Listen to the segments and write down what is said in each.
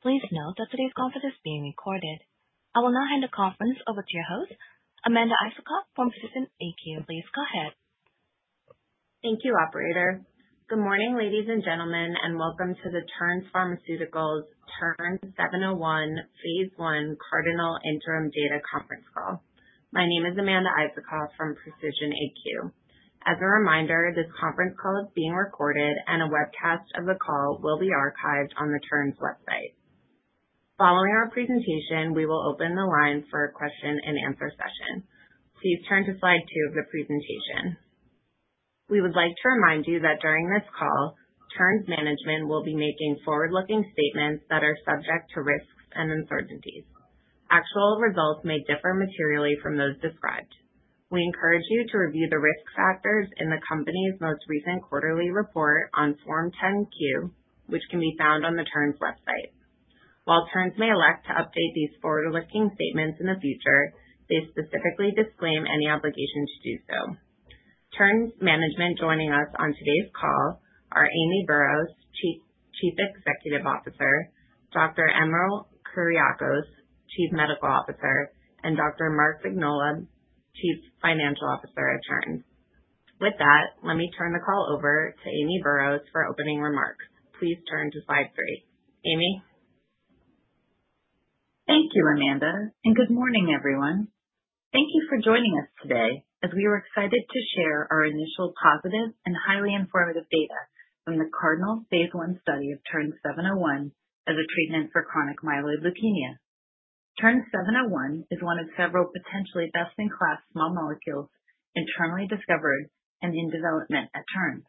Please note that today's conference is being recorded. I will now hand the conference over to your host, Amanda Isacoff from Precision AQ. Please go ahead. Thank you, operator. Good morning, ladies and gentlemen, and welcome to the Terns Pharmaceuticals TERN-701 Phase I CARDINAL Interim Data Conference Call. My name is Amanda Isacoff from Precision AQ. As a reminder, this conference call is being recorded, and a webcast of the call will be archived on the Terns website. Following our presentation, we will open the line for a question-and-answer session. Please turn to slide two of the presentation. We would like to remind you that during this call, Terns management will be making forward-looking statements that are subject to risks and uncertainties. Actual results may differ materially from those described. We encourage you to review the risk factors in the company's most recent quarterly report on Form 10-Q, which can be found on the Terns website. While Terns may elect to update these forward-looking statements in the future, they specifically disclaim any obligation to do so. Terns management joining us on today's call are Amy Burroughs, Chief Executive Officer, Dr. Emil Kuriakose, Chief Medical Officer, and Dr. Mark Vignola, Chief Financial Officer at Terns. With that, let me turn the call over to Amy Burroughs for opening remarks. Please turn to slide three. Amy. Thank you, Amanda, and good morning, everyone. Thank you for joining us today, as we were excited to share our initial positive and highly informative data from the CARDINAL Phase I study of TERN-701 as a treatment for chronic myeloid leukemia. TERN-701 is one of several potentially best-in-class small molecules internally discovered and in development at Terns.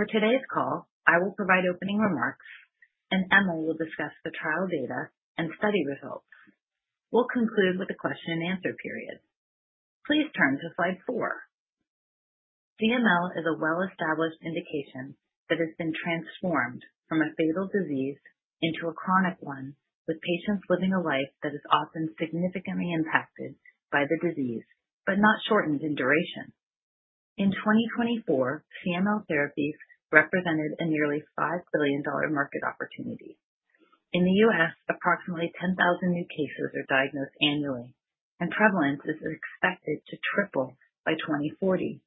For today's call, I will provide opening remarks, and Emil will discuss the trial data and study results. We'll conclude with a question-and-answer period. Please turn to slide four. CML is a well-established indication that has been transformed from a fatal disease into a chronic one with patients living a life that is often significantly impacted by the disease but not shortened in duration. In 2024, CML therapies represented a nearly $5 billion market opportunity. In the U.S., approximately 10,000 new cases are diagnosed annually, and prevalence is expected to triple by 2040.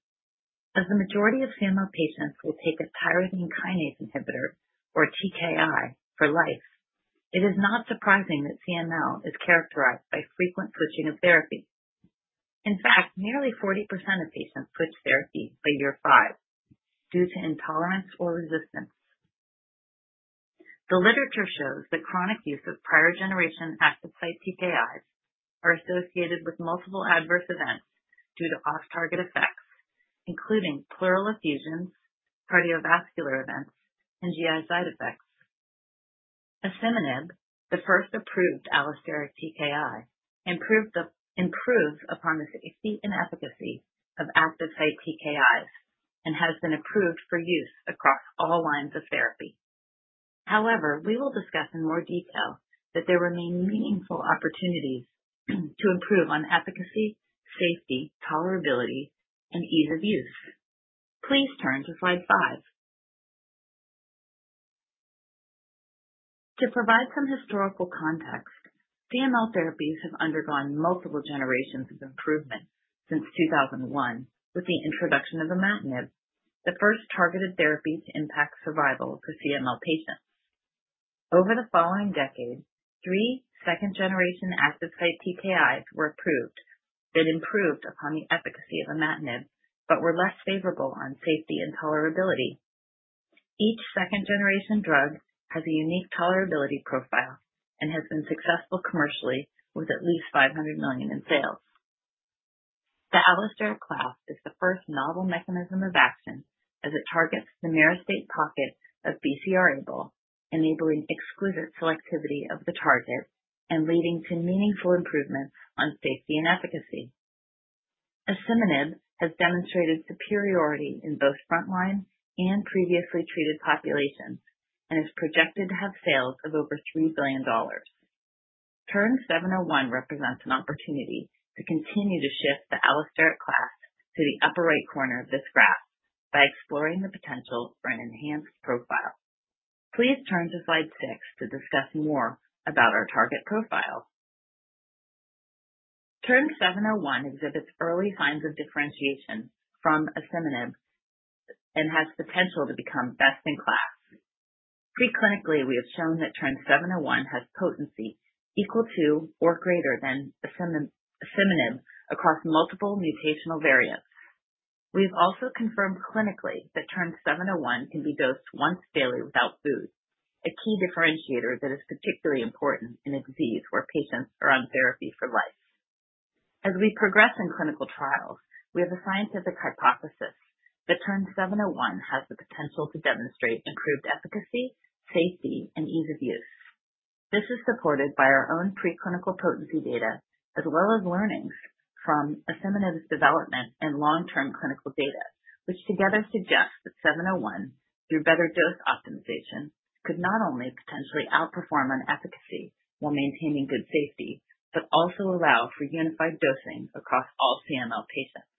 As the majority of CML patients will take a tyrosine kinase inhibitor, or TKI, for life, it is not surprising that CML is characterized by frequent switching of therapy. In fact, nearly 40% of patients switch therapy by year five due to intolerance or resistance. The literature shows that chronic use of prior-generation active-site TKIs is associated with multiple adverse events due to off-target effects, including pleural effusions, cardiovascular events, and GI side effects. asciminib, the first approved allosteric TKI, improves upon the safety and efficacy of active-site TKIs and has been approved for use across all lines of therapy. However, we will discuss in more detail that there remain meaningful opportunities to improve on efficacy, safety, tolerability, and ease of use. Please turn to slide five. To provide some historical context, CML therapies have undergone multiple generations of improvement since 2001 with the introduction of imatinib, the first targeted therapy to impact survival for CML patients. Over the following decade, three second-generation active-site TKIs were approved that improved upon the efficacy of imatinib but were less favorable on safety and tolerability. Each second-generation drug has a unique tolerability profile and has been successful commercially with at least $500 million in sales. The allosteric class is the first novel mechanism of action as it targets the myristoyl pocket of BCR-ABL, enabling exquisite selectivity of the target and leading to meaningful improvements on safety and efficacy. Asciminib has demonstrated superiority in both frontline and previously treated populations and is projected to have sales of over $3 billion. TERN-701 represents an opportunity to continue to shift the allosteric class to the upper right corner of this graph by exploring the potential for an enhanced profile. Please turn to slide six to discuss more about our target profile. TERN-701 exhibits early signs of differentiation from asciminib and has potential to become best-in-class. Preclinically, we have shown that TERN-701 has potency equal to or greater than asciminib across multiple mutational variants. We have also confirmed clinically that TERN-701 can be dosed once daily without food, a key differentiator that is particularly important in a disease where patients are on therapy for life. As we progress in clinical trials, we have a scientific hypothesis that TERN-701 has the potential to demonstrate improved efficacy, safety, and ease of use. This is supported by our own preclinical potency data as well as learnings from asciminib's development and long-term clinical data, which together suggest that 701, through better dose optimization, could not only potentially outperform on efficacy while maintaining good safety but also allow for unified dosing across all CML patients.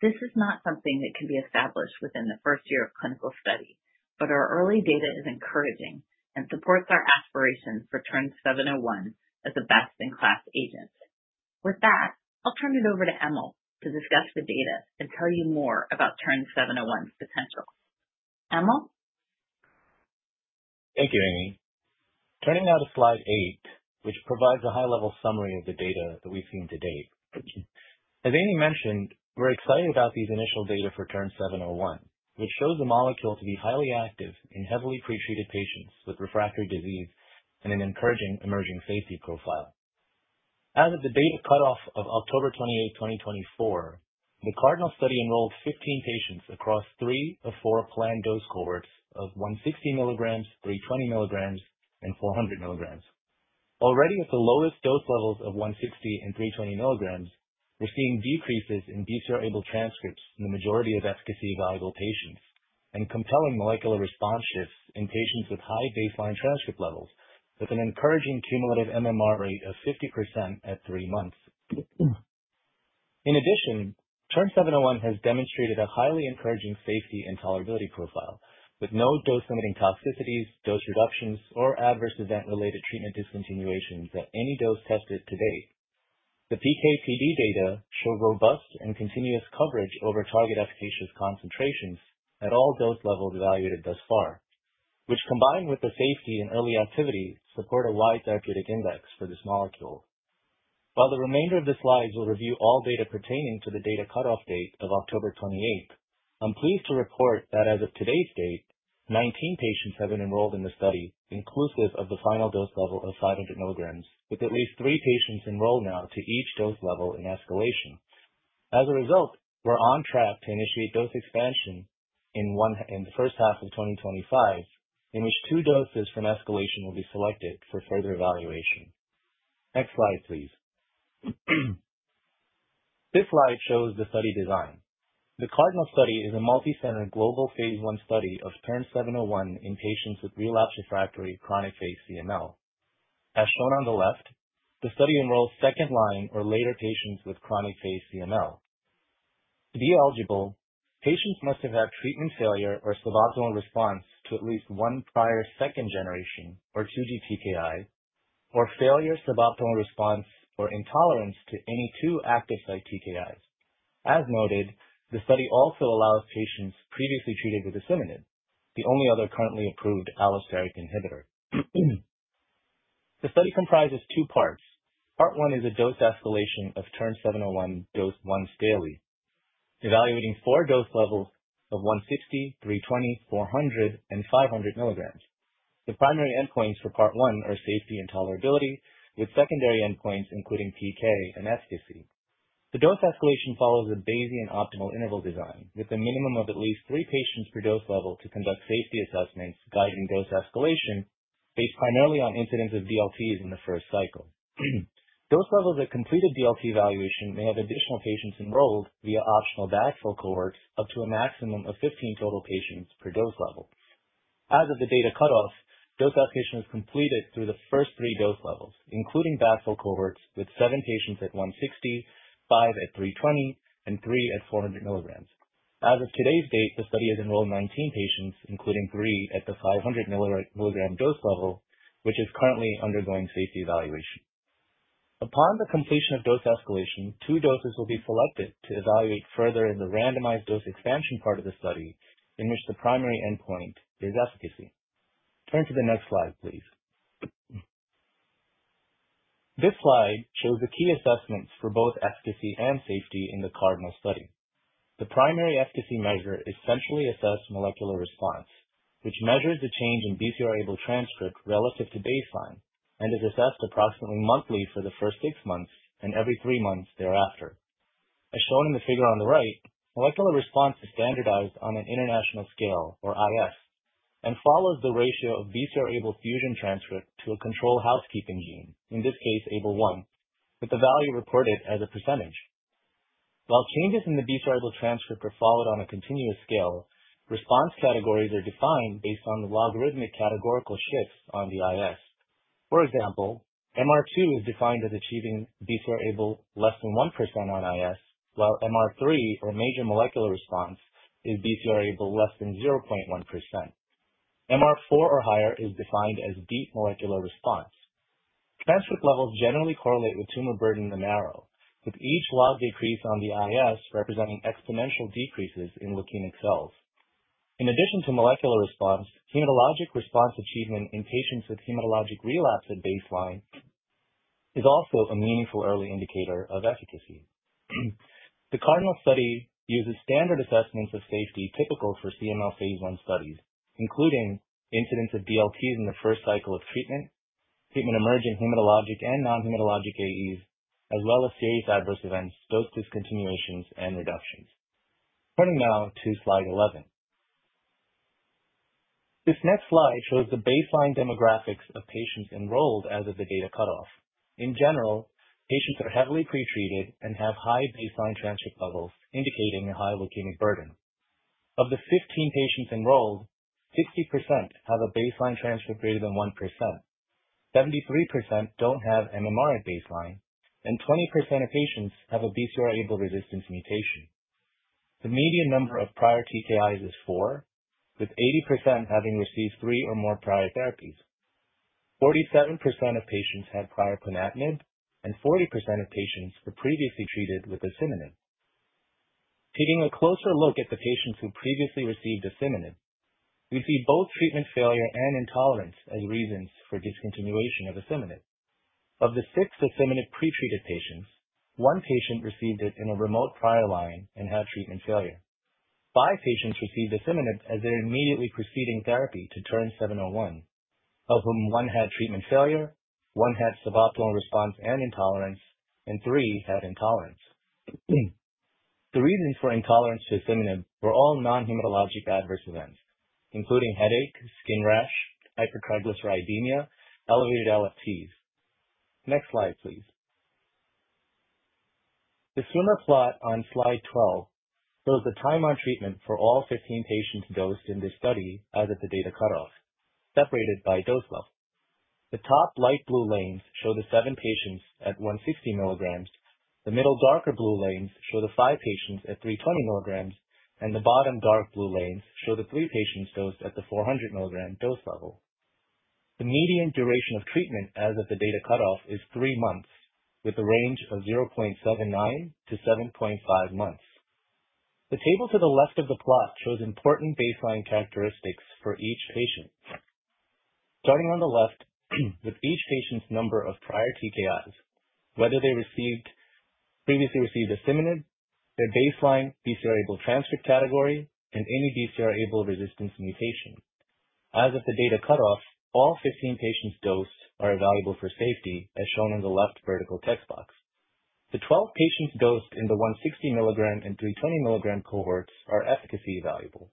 This is not something that can be established within the first year of clinical study, but our early data is encouraging and supports our aspiration for TERN-701 as a best-in-class agent. With that, I'll turn it over to Emil to discuss the data and tell you more about TERN-701 's potential. Emil. Thank you, Amy. Turning now to slide eight, which provides a high-level summary of the data that we've seen to date. As Amy mentioned, we're excited about these initial data for TERN-701, which shows the molecule to be highly active in heavily pretreated patients with refractory disease and an encouraging emerging safety profile. As of the data cutoff of October 28, 2024, the CARDINAL study enrolled 15 patients across three of four planned dose cohorts of 160 mg, 320 mg, and 400 mg. Already at the lowest dose levels of 160 mg and 320 mg, we're seeing decreases in BCR-ABL transcripts in the majority of efficacy-valuable patients and compelling molecular response shifts in patients with high baseline transcript levels with an encouraging cumulative MMR rate of 50% at three months. In addition, TERN-701 has demonstrated a highly encouraging safety and tolerability profile with no dose-limiting toxicities, dose reductions, or adverse event-related treatment discontinuations at any dose tested to date. The PKPD data show robust and continuous coverage over target efficacious concentrations at all dose levels evaluated thus far, which combined with the safety and early activity support a wide therapeutic index for this molecule. While the remainder of the slides will review all data pertaining to the data cutoff date of October 28, I'm pleased to report that as of today's date, 19 patients have been enrolled in the study, inclusive of the final dose level of 500 mg, with at least three patients enrolled now to each dose level in escalation. As a result, we're on track to initiate dose expansion in the first half of 2025, in which two doses from escalation will be selected for further evaluation. Next slide, please. This slide shows the study design. The CARDINAL study is a multicenter global Phase I study of TERN-701 in patients with relapse refractory chronic phase CML. As shown on the left, the study enrolls second-line or later patients with chronic phase CML. To be eligible, patients must have had treatment failure or suboptimal response to at least one prior second-generation or 2G TKI, or failure, suboptimal response, or intolerance to any two active-site TKIs. As noted, the study also allows patients previously treated with asciminib, the only other currently approved allosteric inhibitor. The study comprises two parts. Part one is a dose escalation of TERN-701 dosed once daily, evaluating four dose levels of 160 mg, 320 mg, 400 mg, and 500 mg. The primary endpoints for part one are safety and tolerability, with secondary endpoints including PK and efficacy. The dose escalation follows a Bayesian optimal interval design with a minimum of at least three patients per dose level to conduct safety assessments guiding dose escalation based primarily on incidents of DLTs in the first cycle. Dose levels at completed DLT evaluation may have additional patients enrolled via optional backfill cohorts up to a maximum of 15 total patients per dose level. As of the data cutoff, dose escalation was completed through the first three dose levels, including backfill cohorts with seven patients at 160, five at 320, and three at 400 milligrams. As of today's date, the study has enrolled 19 patients, including three at the 500 mg dose level, which is currently undergoing safety evaluation. Upon the completion of dose escalation, two doses will be selected to evaluate further in the randomized dose expansion part of the study, in which the primary endpoint is efficacy. Turn to the next slide, please. This slide shows the key assessments for both efficacy and safety in the CARDINAL study. The primary efficacy measure essentially assesses molecular response, which measures the change in BCR-ABL transcript relative to baseline and is assessed approximately monthly for the first six months and every three months thereafter. As shown in the figure on the right, molecular response is standardized on an International Scale, or IS, and follows the ratio of BCR-ABL fusion transcript to a control housekeeping gene, in this case, ABL1, with the value reported as a percentage. While changes in the BCR-ABL transcript are followed on a continuous scale, response categories are defined based on the logarithmic categorical shifts on the IS. For example, MR2 is defined as achieving BCR-ABL less than 1% on IS, while MR3, or major molecular response, is BCR-ABL less than 0.1%. MR4 or higher is defined as deep molecular response. Transcript levels generally correlate with tumor burden in the marrow, with each log decrease on the IS representing exponential decreases in leukemic cells. In addition to molecular response, hematologic response achievement in patients with hematologic relapse at baseline is also a meaningful early indicator of efficacy. The CARDINAL study uses standard assessments of safety typical for CML Phase I studies, including incidents of DLTs in the first cycle of treatment, treatment-emerging hematologic and non-hematologic AEs, as well as serious adverse events, dose discontinuations, and reductions. Turning now to slide 11. This next slide shows the baseline demographics of patients enrolled as of the data cutoff. In general, patients are heavily pretreated and have high baseline transcript levels, indicating a high leukemic burden. Of the 15 patients enrolled, 60% have a baseline transcript greater than 1%, 73% don't have MMR at baseline, and 20% of patients have a BCR-ABL resistance mutation. The median number of prior TKIs is four, with 80% having received three or more prior therapies. 47% of patients had prior ponatinib, and 40% of patients were previously treated with asciminib. Taking a closer look at the patients who previously received asciminib, we see both treatment failure and intolerance as reasons for discontinuation of asciminib. Of the six asciminib pretreated patients, one patient received it in a remote prior line and had treatment failure. Five patients received asciminib as their immediately preceding therapy to TERN-701, of whom one had treatment failure, one had suboptimal response and intolerance, and three had intolerance. The reasons for intolerance to asciminib were all non-hematologic adverse events, including headache, skin rash, hypertriglyceridemia, and elevated LFTs. Next slide, please. The swimmer plot on slide 12 shows the time on treatment for all 15 patients dosed in this study as of the data cutoff, separated by dose level. The top light blue lanes show the seven patients at 160 mg. The middle darker blue lanes show the five patients at 320 mg, and the bottom dark blue lanes show the three patients dosed at the 400 mg dose level. The median duration of treatment as of the data cutoff is three months, with a range of 0.79-7.5 months. The table to the left of the plot shows important baseline characteristics for each patient. Starting on the left, with each patient's number of prior TKIs, whether they previously received asciminib, their baseline BCR-ABL transcript category, and any BCR-ABL resistance mutation. As of the data cutoff, all 15 patients dosed are evaluable for safety, as shown in the left vertical text box. The 12 patients dosed in the 160 mg and 320 mg cohorts are efficacy evaluable.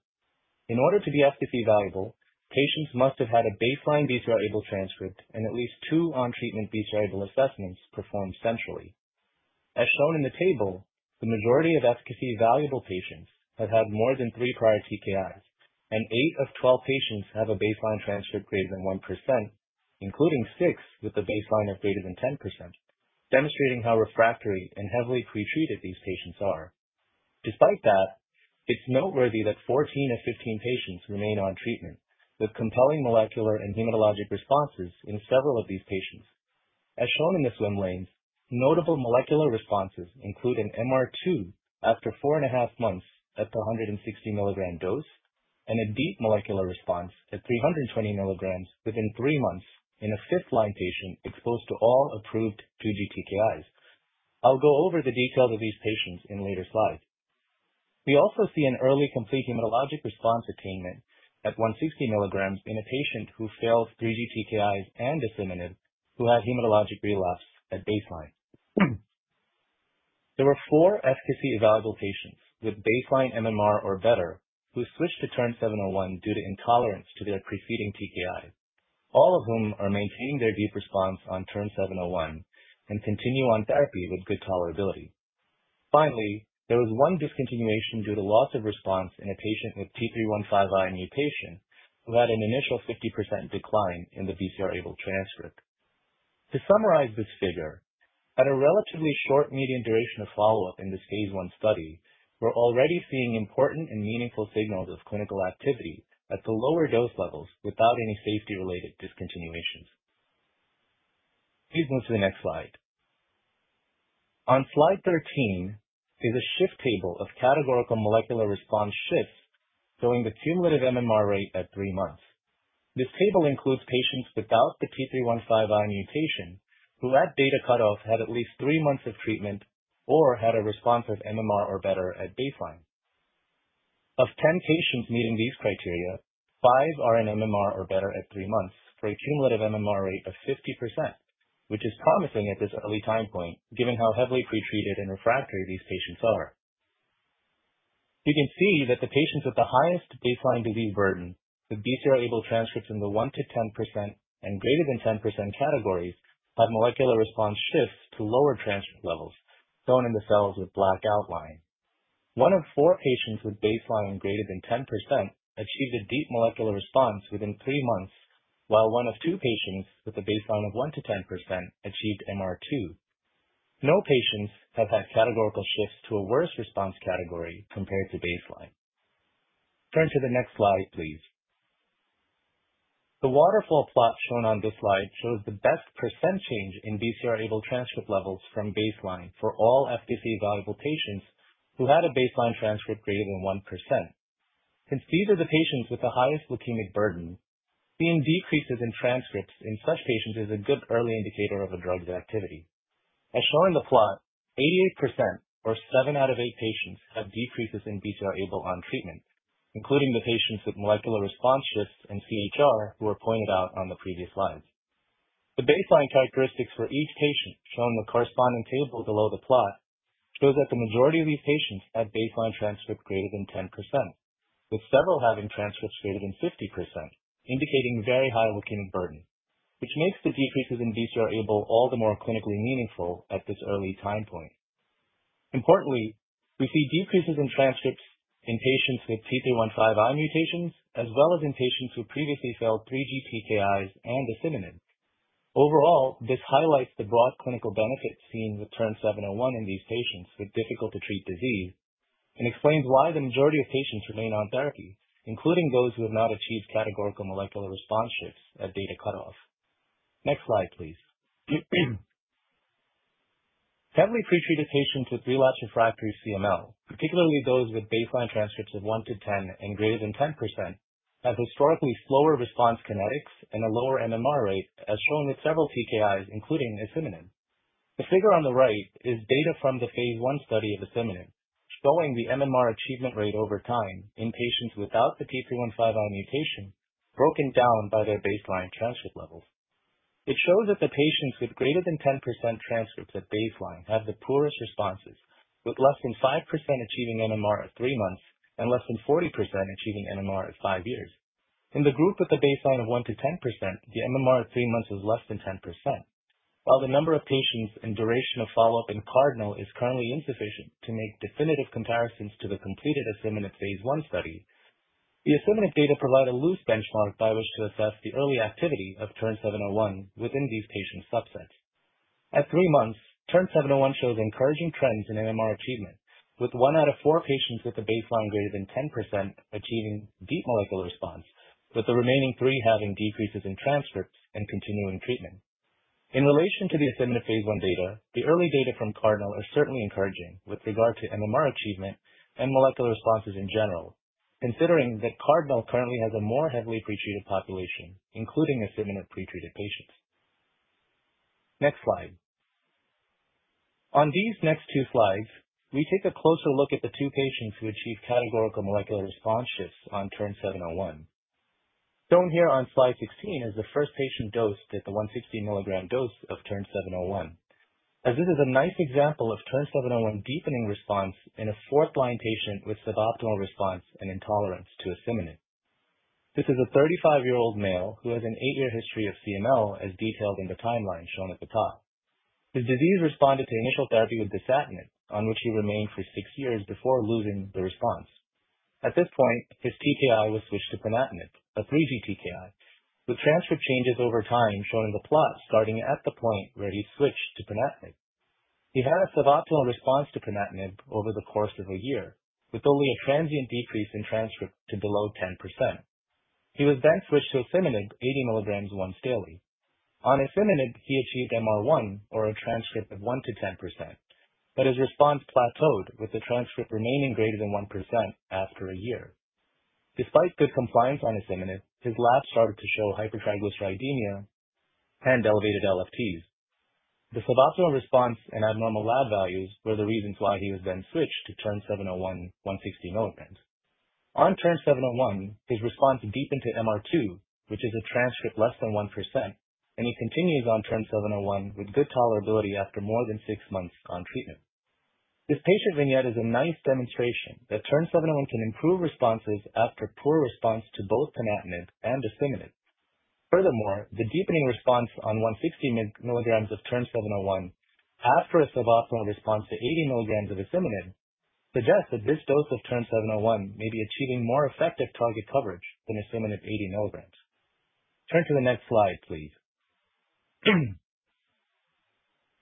In order to be efficacy evaluable, patients must have had a baseline BCR-ABL transcript and at least two on-treatment BCR-ABL assessments performed centrally. As shown in the table, the majority of efficacy evaluable patients have had more than three prior TKIs, and eight of 12 patients have a baseline transcript greater than 1%, including six with a baseline of greater than 10%, demonstrating how refractory and heavily pretreated these patients are. Despite that, it's noteworthy that 14 of 15 patients remain on treatment with compelling molecular and hematologic responses in several of these patients. As shown in the swim lanes, notable molecular responses include an MR2 after four and a half months at the 160 mg dose and a deep molecular response at 320 mg within three months in a fifth-line patient exposed to all approved 2G TKIs. I'll go over the details of these patients in later slides. We also see an early complete hematologic response attainment at 160 mg in a patient who failed 3G TKIs and asciminib, who had hematologic relapse at baseline. There were four efficacy-evaluable patients with baseline MMR or better who switched to TERN-701 due to intolerance to their preceding TKI, all of whom are maintaining their deep response on TERN-701 and continue on therapy with good tolerability. Finally, there was one discontinuation due to loss of response in a patient with T315I mutation who had an initial 50% decline in the BCR-ABL transcript. To summarize this figure, at a relatively short median duration of follow-up in this Phase I study, we're already seeing important and meaningful signals of clinical activity at the lower dose levels without any safety-related discontinuations. Please move to the next slide. On slide 13 is a shift table of categorical molecular response shifts showing the cumulative MMR rate at three months. This table includes patients without the T315I mutation who, at data cutoff, had at least three months of treatment or had a response of MMR or better at baseline. Of 10 patients meeting these criteria, five are in MMR or better at three months for a cumulative MMR rate of 50%, which is promising at this early time point, given how heavily pretreated and refractory these patients are. You can see that the patients with the highest baseline disease burden with BCR-ABL transcripts in the 1%-10% and greater than 10% categories have molecular response shifts to lower transcript levels, shown in the cells with black outline. One of four patients with baseline greater than 10% achieved a deep molecular response within three months, while one of two patients with a baseline of 1%-10% achieved MR2. No patients have had categorical shifts to a worse response category compared to baseline. Turn to the next slide, please. The waterfall plot shown on this slide shows the best percent change in BCR-ABL transcript levels from baseline for all efficacy-evaluable patients who had a baseline transcript greater than 1%. Since these are the patients with the highest leukemic burden, seeing decreases in transcripts in such patients is a good early indicator of a drug's activity. As shown in the plot, 88% or seven out of eight patients have decreases in BCR-ABL on treatment, including the patients with molecular response shifts and CHR who were pointed out on the previous slides. The baseline characteristics for each patient, shown in the corresponding table below the plot, show that the majority of these patients had baseline transcript greater than 10%, with several having transcripts greater than 50%, indicating very high leukemic burden, which makes the decreases in BCR-ABL all the more clinically meaningful at this early time point. Importantly, we see decreases in transcripts in patients with T315I mutations, as well as in patients who previously failed 3G TKIs and asciminib. Overall, this highlights the broad clinical benefit seen with TERN-701 in these patients with difficult-to-treat disease and explains why the majority of patients remain on therapy, including those who have not achieved categorical molecular response shifts at data cutoff. Next slide, please. Heavily pretreated patients with relapsed refractory CML, particularly those with baseline transcripts of 1%-10% and greater than 10%, have historically slower response kinetics and a lower MMR rate, as shown with several TKIs, including asciminib. The figure on the right is data from the Phase I study of asciminib, showing the MMR achievement rate over time in patients without the T315I mutation, broken down by their baseline transcript levels. It shows that the patients with greater than 10% transcripts at baseline have the poorest responses, with less than 5% achieving MMR at three months and less than 40% achieving MMR at five years. In the group with a baseline of 1%-10%, the MMR at three months is less than 10%. While the number of patients and duration of follow-up in CARDINAL is currently insufficient to make definitive comparisons to the completed asciminib Phase I study, the asciminib data provide a loose benchmark by which to assess the early activity of TERN-701 within these patient subsets. At three months, TERN-701 shows encouraging trends in MMR achievement, with one out of four patients with a baseline greater than 10% achieving deep molecular response, with the remaining three having decreases in transcripts and continuing treatment. In relation to the asciminib Phase I data, the early data from CARDINAL are certainly encouraging with regard to MMR achievement and molecular responses in general, considering that CARDINAL currently has a more heavily pretreated population, including asciminib pretreated patients. Next slide. On these next two slides, we take a closer look at the two patients who achieve categorical molecular response shifts on TERN-701. Shown here on slide 16 is the first patient dosed at the 160 mg dose of TERN-701, as this is a nice example of TERN-701 deepening response in a fourth-line patient with suboptimal response and intolerance to asciminib. This is a 35-year-old male who has an eight-year history of CML, as detailed in the timeline shown at the top. His disease responded to initial therapy with dasatinib, on which he remained for six years before losing the response. At this point, his TKI was switched to ponatinib, a 3G TKI, with transcript changes over time shown in the plot starting at the point where he switched to ponatinib. He had a suboptimal response to ponatinib over the course of a year, with only a transient decrease in transcript to below 10%. He was then switched to asciminib 80 mg once daily. On asciminib, he achieved MR1, or a transcript of 1%-10%, but his response plateaued, with the transcript remaining greater than 1% after a year. Despite good compliance on asciminib, his labs started to show hypertriglyceridemia and elevated LFTs. The suboptimal response and abnormal lab values were the reasons why he was then switched to TERN-701 160 mg. On TERN-701, his response deepened to MR2, which is a transcript less than 1%, and he continues on TERN-701 with good tolerability after more than six months on treatment. This patient vignette is a nice demonstration that TERN-701 can improve responses after poor response to both ponatinib and asciminib. Furthermore, the deepening response on 160 mg of TERN-701 after a suboptimal response to 80 mg of asciminib suggests that this dose of TERN-701 may be achieving more effective target coverage than asciminib 80 mg. Turn to the next slide, please.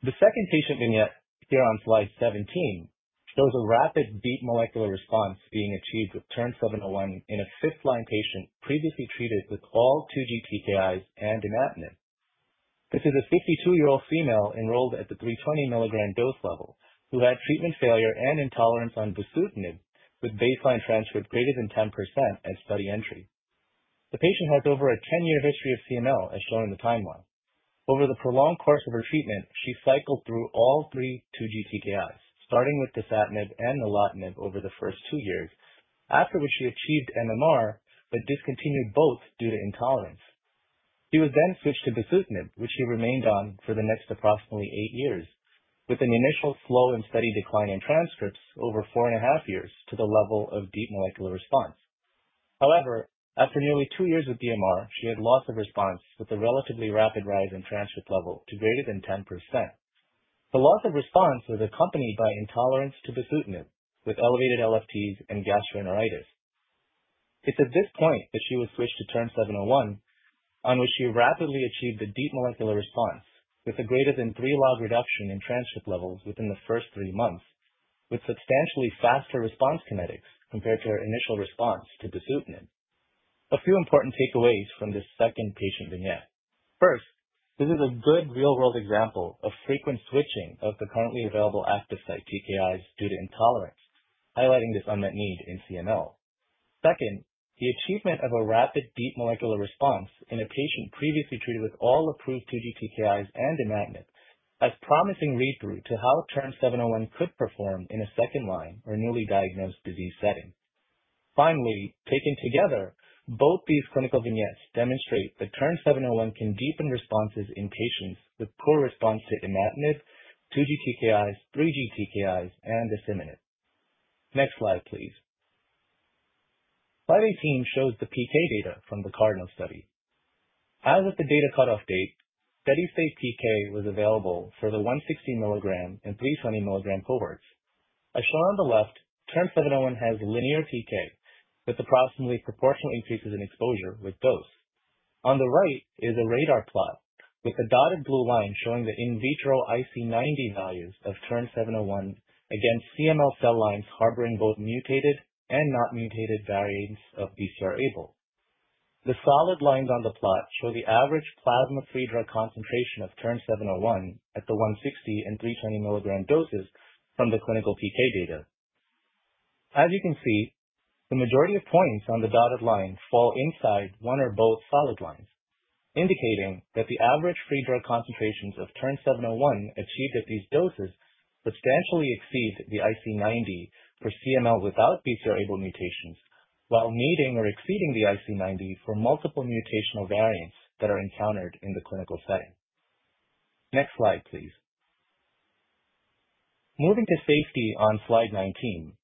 The second patient vignette here on slide 17 shows a rapid deep molecular response being achieved with TERN-701 in a fifth-line patient previously treated with all 2G TKIs and ponatinib. This is a 52-year-old female enrolled at the 320 mg dose level who had treatment failure and intolerance on bosutinib, with baseline transcript greater than 10% at study entry. The patient has over a 10-year history of CML, as shown in the timeline. Over the prolonged course of her treatment, she cycled through all three 2G TKIs, starting with dasatinib and nilotinib over the first two years, after which she achieved MMR but discontinued both due to intolerance. She was then switched to bosutinib, which she remained on for the next approximately eight years, with an initial slow and steady decline in transcripts over four and a half years to the level of deep molecular response. However, after nearly two years with DMR, she had loss of response with a relatively rapid rise in transcript level to greater than 10%. The loss of response was accompanied by intolerance to bosutinib, with elevated LFTs and gastroenteritis. It's at this point that she was switched to TERN-701, on which she rapidly achieved a deep molecular response with a greater than three log reduction in transcript levels within the first three months, with substantially faster response kinetics compared to her initial response to bosutinib. A few important takeaways from this second patient vignette. First, this is a good real-world example of frequent switching of the currently available active site TKIs due to intolerance, highlighting this unmet need in CML. Second, the achievement of a rapid deep molecular response in a patient previously treated with all approved 2G TKIs and ponatinib has promising read-through to how TERN-701 could perform in a second-line or newly diagnosed disease setting. Finally, taken together, both these clinical vignettes demonstrate that TERN-701 can deepen responses in patients with poor response to dasatinib, 2G TKIs, 3G TKIs, and asciminib. Next slide, please. Slide 18 shows the PK data from the CARDINAL study. As of the data cutoff date, steady-state PK was available for the 160 mg and 320 mg cohorts. As shown on the left, TERN-701 has linear PK with approximately proportional increases in exposure with dose. On the right is a radar plot with a dotted blue line showing the in vitro IC90 values of TERN-701 against CML cell lines harboring both mutated and not mutated variants of BCR-ABL. The solid lines on the plot show the average plasma-free drug concentration of TERN-701 at the 160 mg and 320 mg doses from the clinical PK data. As you can see, the majority of points on the dotted line fall inside one or both solid lines, indicating that the average free drug concentrations of TERN-701 achieved at these doses substantially exceed the IC90 for CML without BCR-ABL mutations, while meeting or exceeding the IC90 for multiple mutational variants that are encountered in the clinical setting. Next slide, please. Moving to safety on slide 19.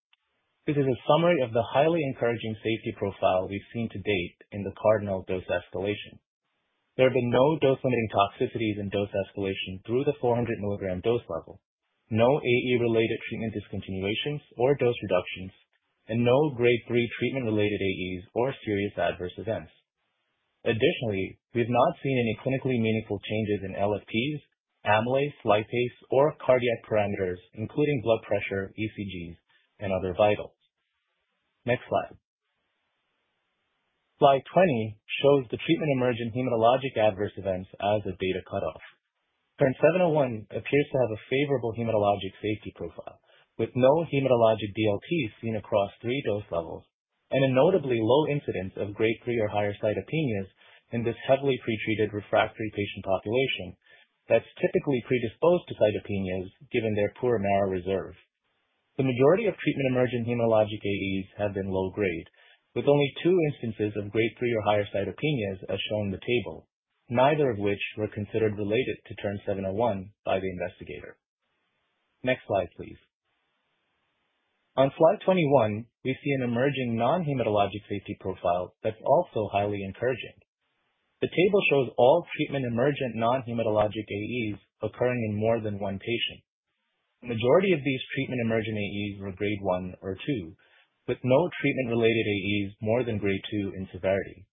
This is a summary of the highly encouraging safety profile we've seen to date in the CARDINAL dose escalation. There have been no dose-limiting toxicities in dose escalation through the 400 mg dose level, no AE-related treatment discontinuations or dose reductions, and no grade 3 treatment-related AEs or serious adverse events. Additionally, we've not seen any clinically meaningful changes in LFTs, amylase, lipase, or cardiac parameters, including blood pressure, ECGs, and other vitals. Next slide. Slide 20 shows the treatment-emergent hematologic adverse events as of a data cutoff. TERN-701 appears to have a favorable hematologic safety profile, with no hematologic DLTs seen across three dose levels and a notably low incidence of grade three or higher cytopenias in this heavily pretreated refractory patient population that's typically predisposed to cytopenias given their poor marrow reserve. The majority of treatment-emergent hematologic AEs have been low-grade, with only two instances of grade three or higher cytopenias, as shown in the table, neither of which were considered related to TERN-701 by the investigator. Next slide, please. On slide 21, we see an emerging non-hematologic safety profile that's also highly encouraging. The table shows all treatment-emergent non-hematologic AEs occurring in more than one patient. The majority of these treatment-emergent AEs were grade one or two, with no treatment-related AEs more than grade two in severity.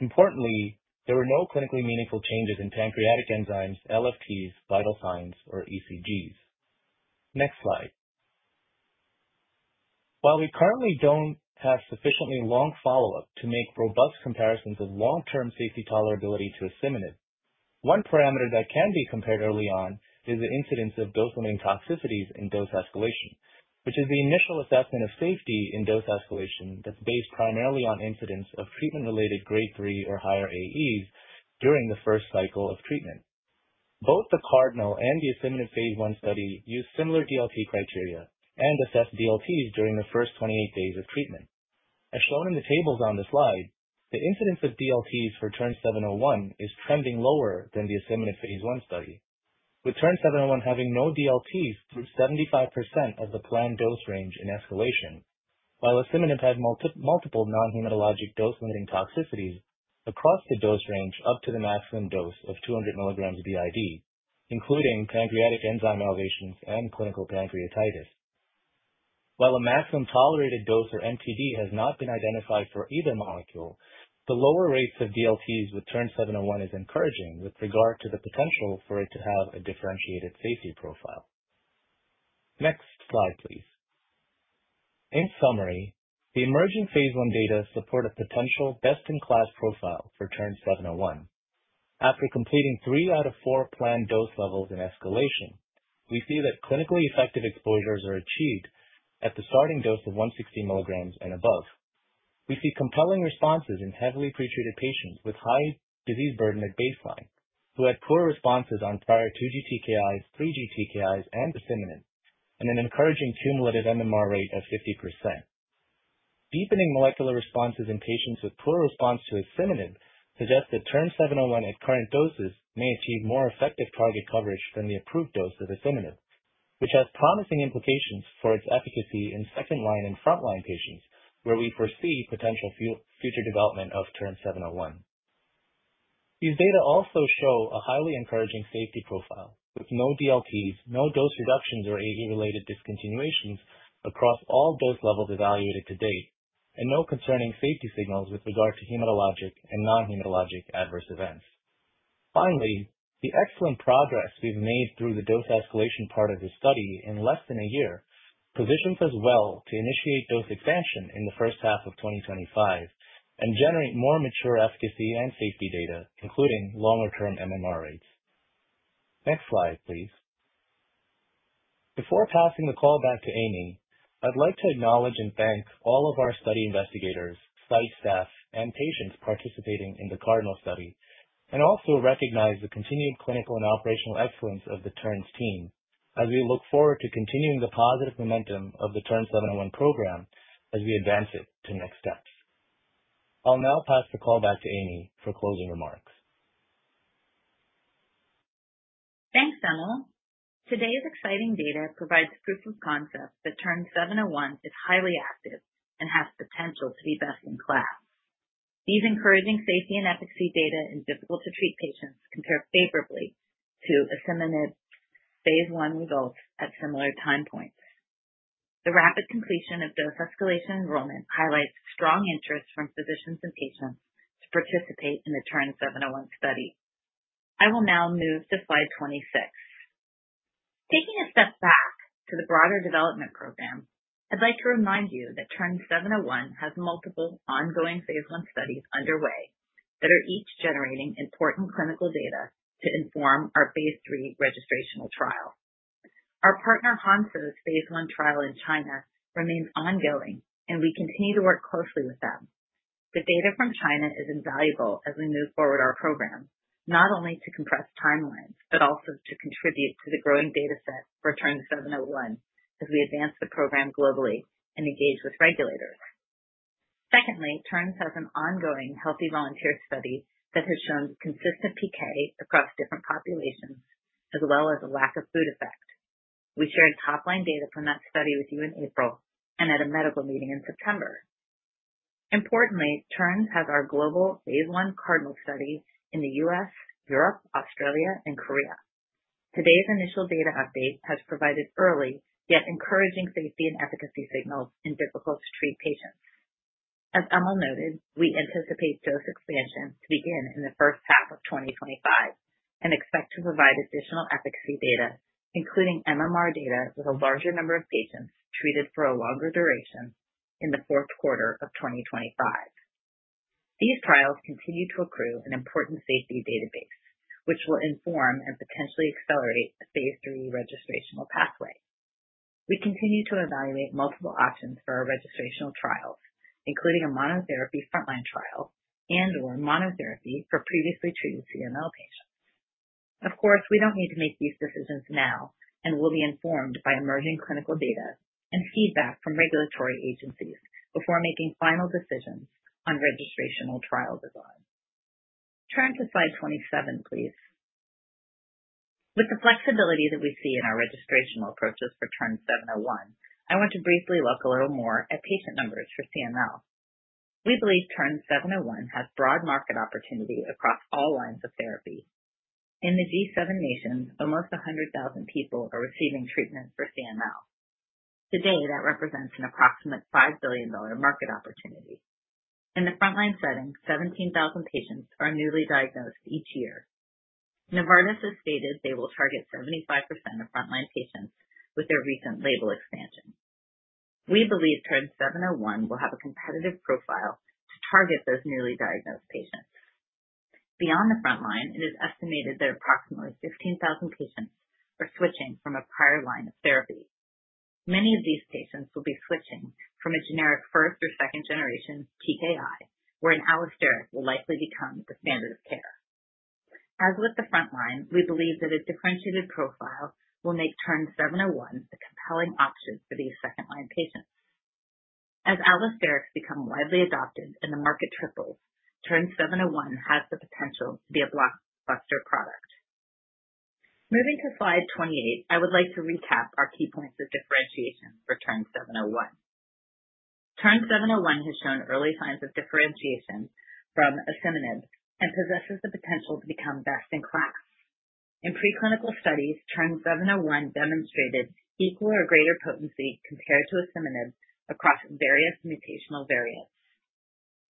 Importantly, there were no clinically meaningful changes in pancreatic enzymes, LFTs, vital signs, or ECGs. Next slide. While we currently don't have sufficiently long follow-up to make robust comparisons of long-term safety tolerability to asciminib, one parameter that can be compared early on is the incidence of dose-limiting toxicities in dose escalation, which is the initial assessment of safety in dose escalation that's based primarily on incidence of treatment-related grade 3 or higher AEs during the first cycle of treatment. Both the CARDINAL and the asciminib Phase I study use similar DLT criteria and assess DLTs during the first 28 days of treatment. As shown in the tables on the slide, the incidence of DLTs for TERN-701 is trending lower than the asciminib Phase I study, with TERN-701 having no DLTs through 75% of the planned dose range in escalation, while asciminib had multiple non-hematologic dose-limiting toxicities across the dose range up to the maximum dose of 200 mg b.i.d., including pancreatic enzyme elevations and clinical pancreatitis. While a maximum tolerated dose or MTD has not been identified for either molecule, the lower rates of DLTs with TERN-701 are encouraging with regard to the potential for it to have a differentiated safety profile. Next slide, please. In summary, the emerging Phase I data support a potential best-in-class profile for TERN-701. After completing three out of four planned dose levels in escalation, we see that clinically effective exposures are achieved at the starting dose of 160 mg and above. We see compelling responses in heavily pretreated patients with high disease burden at baseline who had poor responses on prior 2G TKIs, 3G TKIs, and asciminib, and an encouraging cumulative MMR rate of 50%. Deepening molecular responses in patients with poor response to asciminib suggest that TERN-701 at current doses may achieve more effective target coverage than the approved dose of asciminib, which has promising implications for its efficacy in second-line and front-line patients, where we foresee potential future development of TERN-701. These data also show a highly encouraging safety profile with no DLTs, no dose reductions or AE-related discontinuations across all dose levels evaluated to date, and no concerning safety signals with regard to hematologic and non-hematologic adverse events. Finally, the excellent progress we've made through the dose escalation part of this study in less than a year positions us well to initiate dose expansion in the first half of 2025 and generate more mature efficacy and safety data, including longer-term MMR rates. Next slide, please. Before passing the call back to Amy, I'd like to acknowledge and thank all of our study investigators, site staff, and patients participating in the CARDINAL study, and also recognize the continued clinical and operational excellence of the Terns team as we look forward to continuing the positive momentum of the TERN-701 program as we advance it to next steps. I'll now pass the call back to Amy for closing remarks. Thanks, Emil. Today's exciting data provides proof of concept that TERN-701 is highly active and has potential to be best-in-class. These encouraging safety and efficacy data in difficult-to-treat patients compare favorably to asciminib Phase I results at similar time points. The rapid completion of dose escalation enrollment highlights strong interest from physicians and patients to participate in the TERN-701 study. I will now move to slide 26. Taking a step back to the broader development program, I'd like to remind you that TERN-701 has multiple ongoing Phase I studies underway that are each generating important clinical data to inform our Phase III registrational trial. Our partner Hansoh's Phase I trial in China remains ongoing, and we continue to work closely with them. The data from China is invaluable as we move forward our program, not only to compress timelines, but also to contribute to the growing dataset for TERN-701 as we advance the program globally and engage with regulators. Secondly, Terns has an ongoing healthy volunteer study that has shown consistent PK across different populations, as well as a lack of food effect. We shared top-line data from that study with you in April and at a medical meeting in September. Importantly, Terns has our global Phase I CARDINAL study in the U.S., Europe, Australia, and Korea. Today's initial data update has provided early, yet encouraging safety and efficacy signals in difficult-to-treat patients. As Emil noted, we anticipate dose expansion to begin in the first half of 2025 and expect to provide additional efficacy data, including MMR data with a larger number of patients treated for a longer duration in the fourth quarter of 2025. These trials continue to accrue an important safety database, which will inform and potentially accelerate a Phase III registrational pathway. We continue to evaluate multiple options for our registrational trials, including a monotherapy front-line trial and/or monotherapy for previously treated CML patients. Of course, we don't need to make these decisions now, and we'll be informed by emerging clinical data and feedback from regulatory agencies before making final decisions on registrational trial design. Turn to slide 27, please. With the flexibility that we see in our registrational approaches for TERN-701, I want to briefly look a little more at patient numbers for CML. We believe TERN-701 has broad market opportunity across all lines of therapy. In the G7 nations, almost 100,000 people are receiving treatment for CML. Today, that represents an approximate $5 billion market opportunity. In the front-line setting, 17,000 patients are newly diagnosed each year. Novartis has stated they will target 75% of front-line patients with their recent label expansion. We believe TERN-701 will have a competitive profile to target those newly diagnosed patients. Beyond the front line, it is estimated that approximately 15,000 patients are switching from a prior line of therapy. Many of these patients will be switching from a generic first or second-generation TKI, where an allosteric will likely become the standard of care. As with the front line, we believe that a differentiated profile will make TERN-701 a compelling option for these second-line patients. As allosterics become widely adopted and the market triples, TERN-701 has the potential to be a blockbuster product. Moving to slide 28, I would like to recap our key points of differentiation for TERN-701. TERN-701 has shown early signs of differentiation from asciminib and possesses the potential to become best-in-class. In preclinical studies, TERN-701 demonstrated equal or greater potency compared to asciminib across various mutational variants.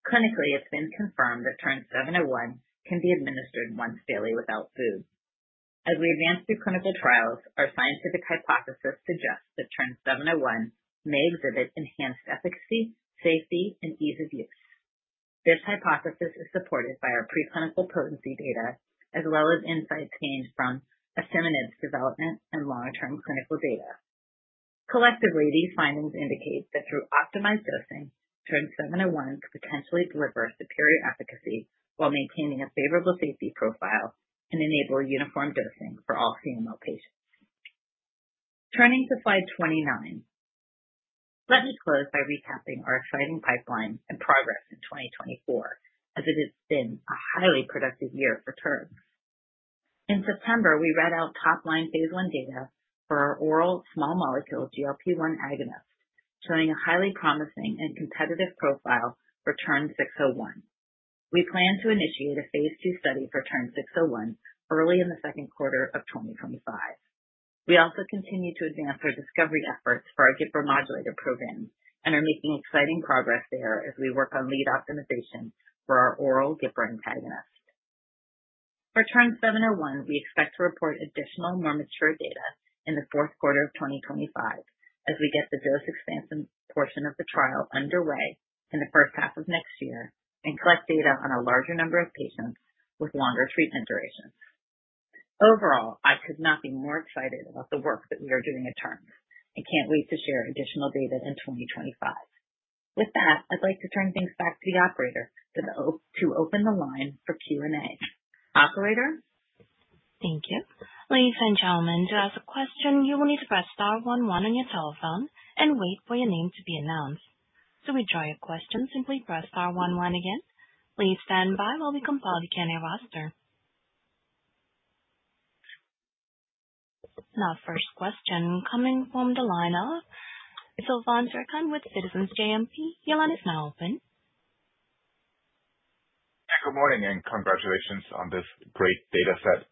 Clinically, it's been confirmed that TERN-701 can be administered once daily without food. As we advance through clinical trials, our scientific hypothesis suggests that TERN-701 may exhibit enhanced efficacy, safety, and ease of use. This hypothesis is supported by our preclinical potency data, as well as insights gained from asciminib's development and longer-term clinical data. Collectively, these findings indicate that through optimized dosing, TERN-701 could potentially deliver superior efficacy while maintaining a favorable safety profile and enable uniform dosing for all CML patients. Turning to slide 29, let me close by recapping our exciting pipeline and progress in 2024, as it has been a highly productive year for Terns. In September, we read out top-line Phase I data for our oral small molecule GLP-1 agonist, showing a highly promising and competitive profile for TERN-601. We plan to initiate a Phase II study for TERN-601 early in the second quarter of 2025. We also continue to advance our discovery efforts for our GIPR modulator program and are making exciting progress there as we work on lead optimization for our oral GIPR antagonist. For TERN-701, we expect to report additional, more mature data in the fourth quarter of 2025 as we get the dose expansion portion of the trial underway in the first half of next year and collect data on a larger number of patients with longer treatment durations. Overall, I could not be more excited about the work that we are doing at Terns and can't wait to share additional data in 2025. With that, I'd like to turn things back to the operator to open the line for Q&A. Operator. Thank you. Ladies and gentlemen, to ask a question, you will need to press star one one on your telephone and wait for your name to be announced. To withdraw your question, simply press star one one again. Please stand by while we compile the Q&A roster. Now, first question coming from the line of Silvan Tuerkcan with Citizens JMP. Your line is now open. Good morning and congratulations on this great dataset.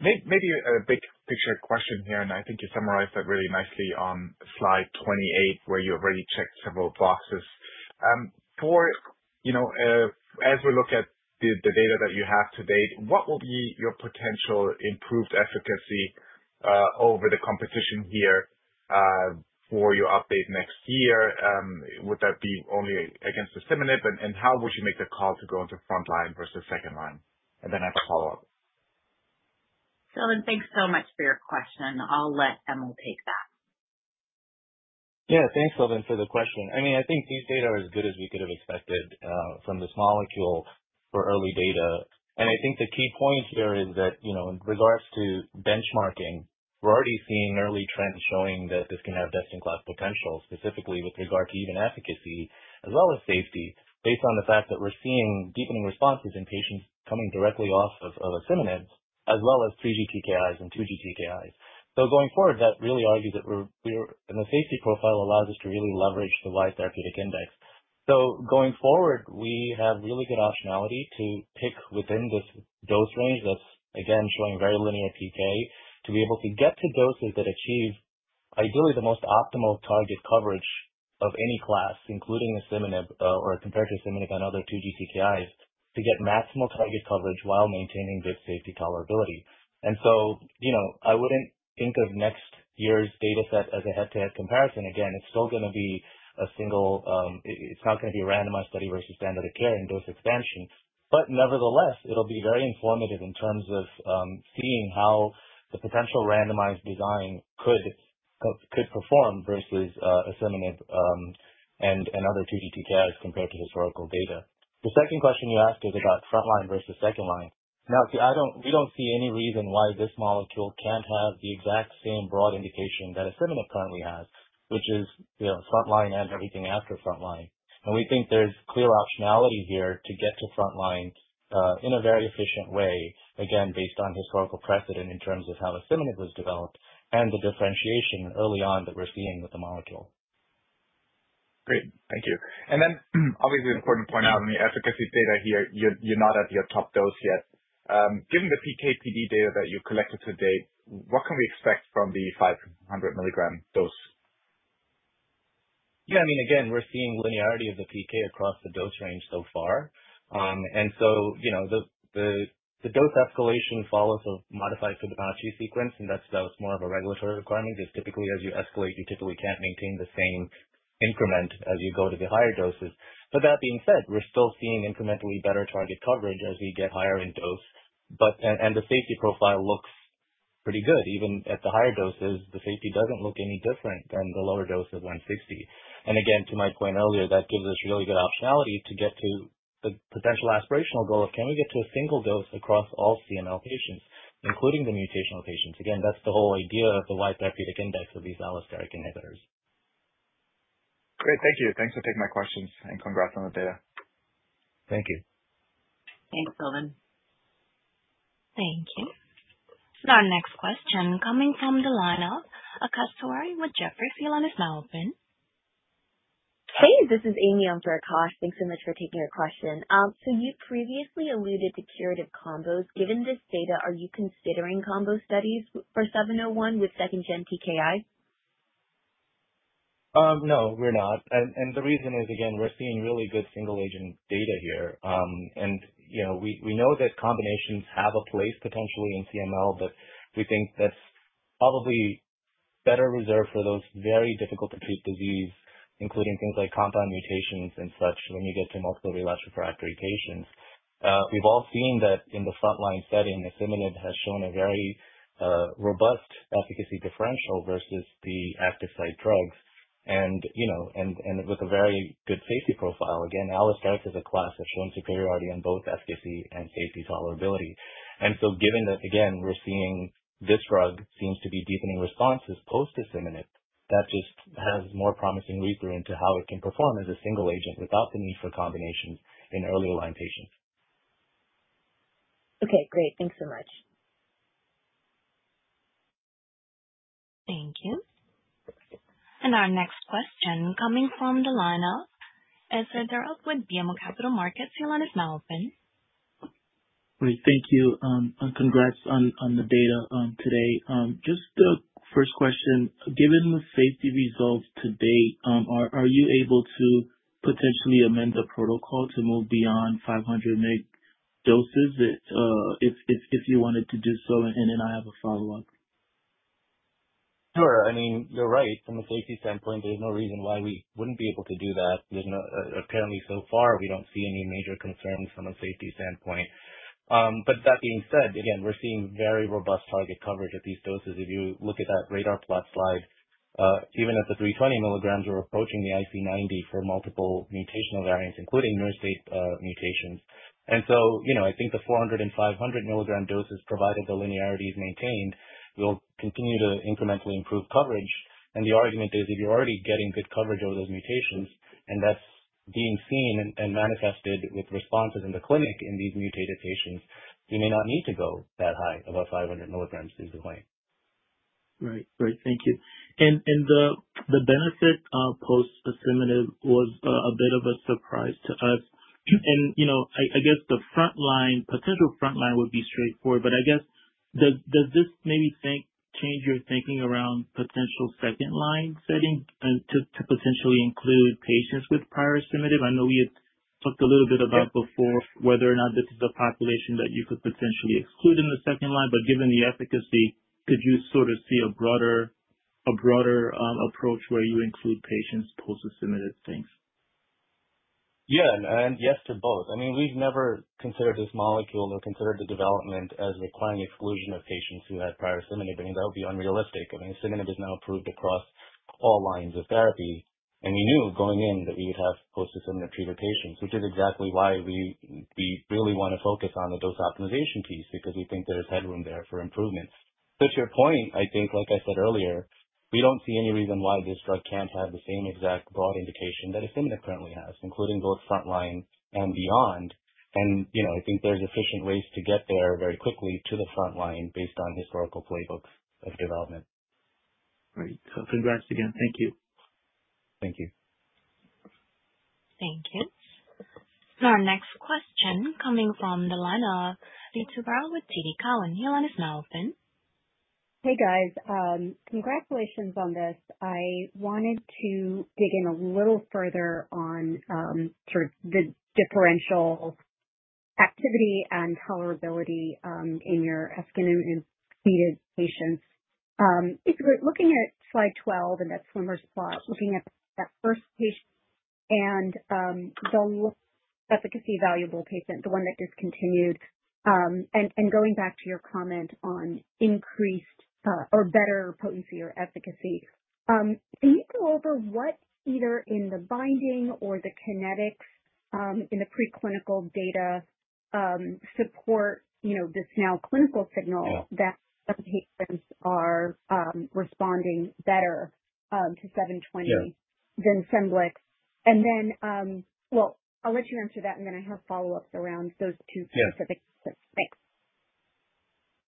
Maybe a big picture question here, and I think you summarized that really nicely on slide 28, where you already checked several boxes. As we look at the data that you have to date, what will be your potential improved efficacy over the competition here for your update next year? Would that be only against asciminib, and how would you make the call to go into front line versus second line? And then I have a follow-up. Silvan, thanks so much for your question. I'll let Emil take that. Yeah, thanks, Silvan, for the question. I mean, I think these data are as good as we could have expected from this molecule for early data. And I think the key point here is that in regards to benchmarking, we're already seeing early trends showing that this can have best-in-class potential, specifically with regard to even efficacy as well as safety, based on the fact that we're seeing deepening responses in patients coming directly off of asciminib, as well as 3G TKIs and 2G TKIs. So going forward, that really argues that the safety profile allows us to really leverage the wide therapeutic index. So going forward, we have really good optionality to pick within this dose range that's, again, showing very linear PK to be able to get to doses that achieve, ideally, the most optimal target coverage of any class, including asciminib or compared to asciminib and other 2G TKIs, to get maximal target coverage while maintaining good safety tolerability. And so I wouldn't think of next year's dataset as a head-to-head comparison. Again, it's still going to be a single, it's not going to be a randomized study versus standard of care and dose expansion. But nevertheless, it'll be very informative in terms of seeing how the potential randomized design could perform versus asciminib and other 2G TKIs compared to historical data. The second question you asked is about front line versus second line. Now, see, we don't see any reason why this molecule can't have the exact same broad indication that asciminib currently has, which is front line and everything after front line. And we think there's clear optionality here to get to front line in a very efficient way, again, based on historical precedent in terms of how asciminib was developed and the differentiation early on that we're seeing with the molecule. Great. Thank you. And then, obviously, important to point out in the efficacy data here, you're not at your top dose yet. Given the PKPD data that you collected to date, what can we expect from the 500 mg dose? Yeah, I mean, again, we're seeing linearity of the PK across the dose range so far. And so the dose escalation follows a modified Fibonacci sequence, and that's more of a regulatory requirement because typically, as you escalate, you typically can't maintain the same increment as you go to the higher doses. But that being said, we're still seeing incrementally better target coverage as we get higher in dose. And the safety profile looks pretty good. Even at the higher doses, the safety doesn't look any different than the lower dose of 160 mg. And again, to my point earlier, that gives us really good optionality to get to the potential aspirational goal of can we get to a single dose across all CML patients, including the mutational patients. Again, that's the whole idea of the wide therapeutic index of these allosteric inhibitors. Great. Thank you. Thanks for taking my questions and congrats on the data. Thank you. Thanks, Silvan. Thank you. Now, our next question coming from the line of Akash Tewari with Jefferies. Your line is now open. Hey, this is Akash. Thanks so much for taking my question. So you previously alluded to curative combos. Given this data, are you considering combo studies for 701 with second-gen TKI? No, we're not. And the reason is, again, we're seeing really good single-agent data here. And we know that combinations have a place potentially in CML, but we think that's probably better reserved for those very difficult-to-treat diseases, including things like compound mutations and such when you get to multiple relapse refractory patients. We've all seen that in the front-line setting, asciminib has shown a very robust efficacy differential versus the active site drugs and with a very good safety profile. Again, allosterics as a class have shown superiority in both efficacy and safety tolerability. And so given that, again, we're seeing this drug seems to be deepening responses post-asciminib, that just has more promising read-through into how it can perform as a single agent without the need for combinations in early line patients. Okay. Great. Thanks so much. Thank you. And our next question coming from the line of Etzer Darout with BMO Capital Markets. Your line is now open. Great. Thank you. And congrats on the data today. Just the first question. Given the safety results to date, are you able to potentially amend the protocol to move beyond 500 mg doses if you wanted to do so? And then I have a follow-up. Sure. I mean, you're right. From a safety standpoint, there's no reason why we wouldn't be able to do that. Apparently, so far, we don't see any major concerns from a safety standpoint. But that being said, again, we're seeing very robust target coverage at these doses. If you look at that radar plot slide, even at the 320 mg, we're approaching the IC90 for multiple mutational variants, including T315I mutations. And so I think the 400 mg and 500 mg doses, provided the linearity is maintained, will continue to incrementally improve coverage. And the argument is, if you're already getting good coverage over those mutations, and that's being seen and manifested with responses in the clinic in these mutated patients, we may not need to go that high above 500 mg easily. Right. Great. Thank you. And the benefit post-asciminib was a bit of a surprise to us. And I guess the potential front line would be straightforward. But I guess, does this maybe change your thinking around potential second-line setting to potentially include patients with prior asciminib? I know we had talked a little bit about before whether or not this is a population that you could potentially exclude in the second line. But given the efficacy, could you sort of see a broader approach where you include patients post-asciminib? Thanks. Yeah. And yes to both. I mean, we've never considered this molecule or considered the development as requiring exclusion of patients who had prior asciminib. I mean, that would be unrealistic. I mean, asciminib is now approved across all lines of therapy. And we knew going in that we would have post-asciminib treated patients, which is exactly why we really want to focus on the dose optimization piece because we think there's headroom there for improvements. But to your point, I think, like I said earlier, we don't see any reason why this drug can't have the same exact broad indication that asciminib currently has, including both front-line and beyond. And I think there's efficient ways to get there very quickly to the front-line based on historical playbooks of development. Right. So congrats again. Thank you. Thank you. Thank you. Now, our next question coming from the line of Ritu Baral with TD Cowen. Your line is now open. Hey, guys. Congratulations on this. I wanted to dig in a little further on sort of the differential activity and tolerability in your second- and third-line patients. If we're looking at slide 12, and that's Swimmer's plot, looking at that first patient and the efficacy-evaluable patient, the one that discontinued, and going back to your comment on increased or better potency or efficacy, can you go over what either in the binding or the kinetics in the preclinical data support this now clinical signal that some patients are responding better to 701 than Scemblix? And then, well, I'll let you answer that, and then I have follow-ups around those two specifics. Thanks.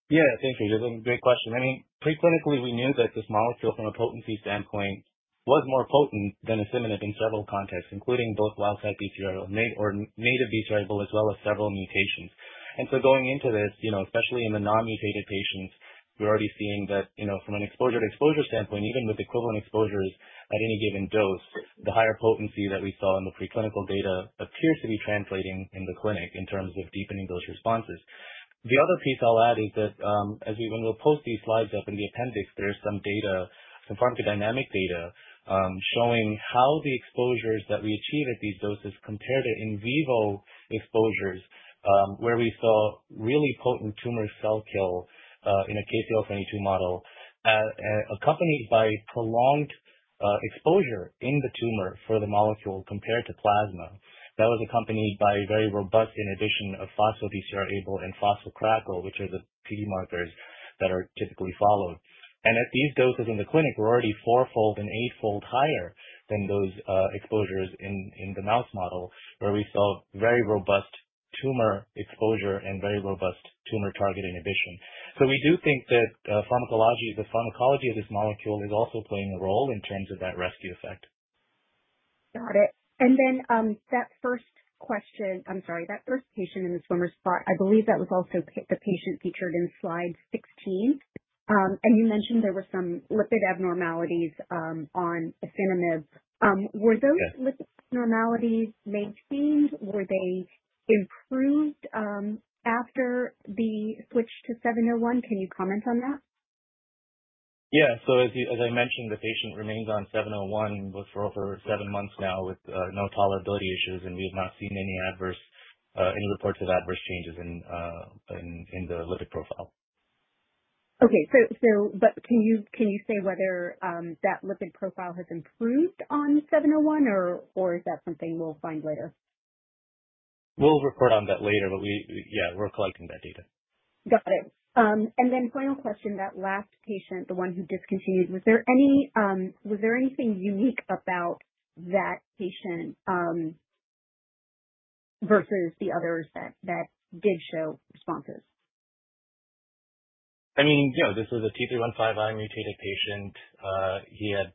Yeah. Thank you. That's a great question. I mean, preclinically, we knew that this molecule from a potency standpoint was more potent than asciminib in several contexts, including both wild-type BCR or native BCR, as well as several mutations. And so going into this, especially in the non-mutated patients, we're already seeing that from an exposure-to-exposure standpoint, even with equivalent exposures at any given dose, the higher potency that we saw in the preclinical data appears to be translating in the clinic in terms of deepening those responses. The other piece I'll add is that as, when we'll post these slides up in the appendix, there's some pharmacodynamic data showing how the exposures that we achieve at these doses compare to in vivo exposures, where we saw really potent tumor cell kill in a KCL-22 model, accompanied by prolonged exposure in the tumor for the molecule compared to plasma. That was accompanied by very robust inhibition of phospho-BCR-ABL and phospho-CrkL, which are the PD markers that are typically followed. At these doses in the clinic, we're already four-fold and eight-fold higher than those exposures in the mouse model, where we saw very robust tumor exposure and very robust tumor target inhibition. So we do think that the pharmacology of this molecule is also playing a role in terms of that rescue effect. Got it. And then that first question. I'm sorry. That first patient in the Swimmer's plot, I believe that was also the patient featured in slide 16. And you mentioned there were some lipid abnormalities on asciminib. Were those lipid abnormalities maintained? Were they improved after the switch to 701? Can you comment on that? Yeah. So as I mentioned, the patient remains on 701 for over seven months now with no tolerability issues, and we have not seen any reports of adverse changes in the lipid profile. Okay. But can you say whether that lipid profile has improved on 701, or is that something we'll find later? We'll report on that later. But yeah, we're collecting that data. Got it. And then final question, that last patient, the one who discontinued, was there anything unique about that patient versus the others that did show responses? I mean, this was a T315I mutated patient. He had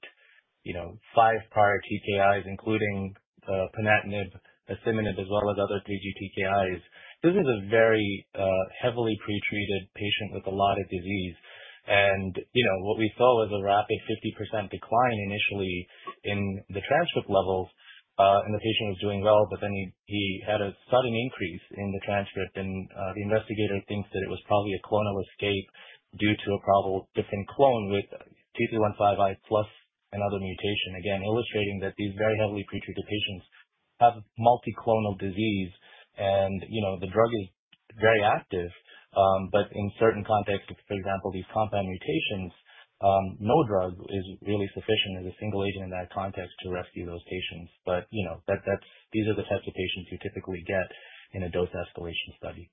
five prior TKIs, including ponatinib, asciminib, as well as other 3G TKIs. This is a very heavily pretreated patient with a lot of disease. And what we saw was a rapid 50% decline initially in the transcript levels, and the patient was doing well. But then he had a sudden increase in the transcript, and the investigator thinks that it was probably a clonal escape due to a probable different clone with T315I plus another mutation, again, illustrating that these very heavily pretreated patients have multi-clonal disease. And the drug is very active. But in certain contexts, for example, these compound mutations, no drug is really sufficient as a single agent in that context to rescue those patients. But these are the types of patients you typically get in a dose escalation study.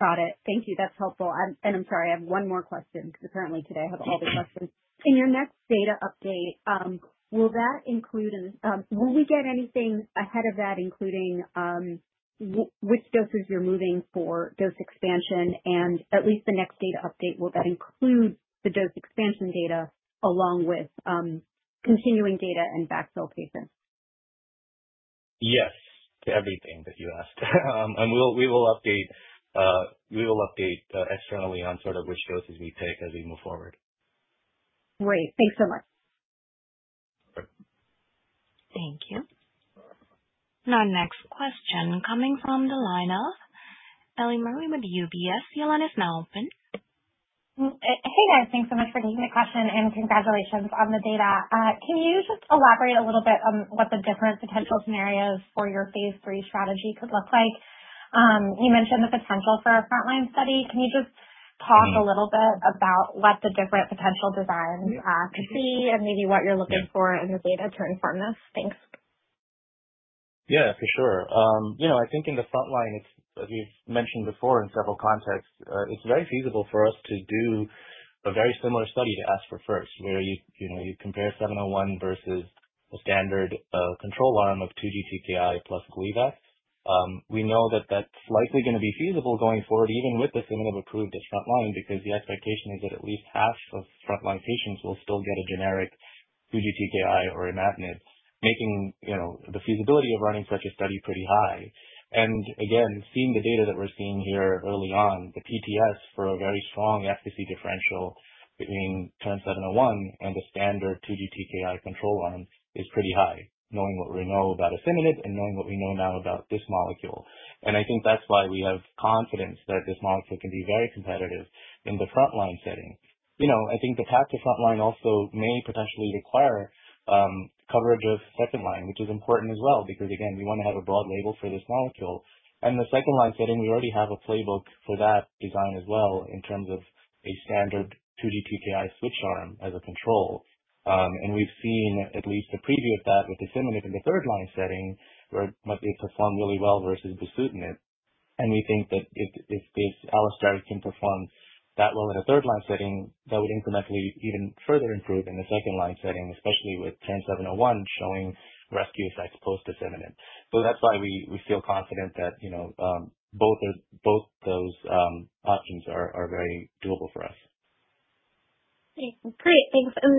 Got it. Thank you. That's helpful. And I'm sorry, I have one more question because apparently today I have all the questions. In your next data update, will that include - will we get anything ahead of that, including which doses you're moving for dose expansion? And at least the next data update, will that include the dose expansion data along with continuing data and backfill patients? Yes, to everything that you asked. And we will update externally on sort of which doses we take as we move forward. Great. Thanks so much. Thank you. Now, next question coming from the line of Eliana Merle with UBS. Your line is now open. Hey, guys. Thanks so much for taking the question, and congratulations on the data. Can you just elaborate a little bit on what the different potential scenarios for your Phase III strategy could look like? You mentioned the potential for a front-line study. Can you just talk a little bit about what the different potential designs could be and maybe what you're looking for in the data to inform this? Thanks. Yeah, for sure.I think in the front line, as we've mentioned before in several contexts, it's very feasible for us to do a very similar study to ASC4FIRST, where you compare 701 versus a standard control arm of 2G TKI plus Gleevec. We know that that's likely going to be feasible going forward, even with asciminib approved as front line because the expectation is that at least half of front line patients will still get a generic 2G TKI or imatinib, making the feasibility of running such a study pretty high, and again, seeing the data that we're seeing here early on, the PTS for a very strong efficacy differential between current 701 and a standard 2G TKI control arm is pretty high, knowing what we know about asciminib and knowing what we know now about this molecule. And I think that's why we have confidence that this molecule can be very competitive in the front line setting. I think the path to front line also may potentially require coverage of second line, which is important as well because, again, we want to have a broad label for this molecule. And the second line setting, we already have a playbook for that design as well in terms of a standard 2G TKI switch arm as a control. And we've seen at least a preview of that with asciminib in the third line setting, where it performed really well versus bosutinib. And we think that if this allosteric can perform that well in a third line setting, that would incrementally even further improve in the second line setting, especially with TERN-701 showing rescue effects post-asciminib. So that's why we feel confident that both those options are very doable for us. Great. Thanks. And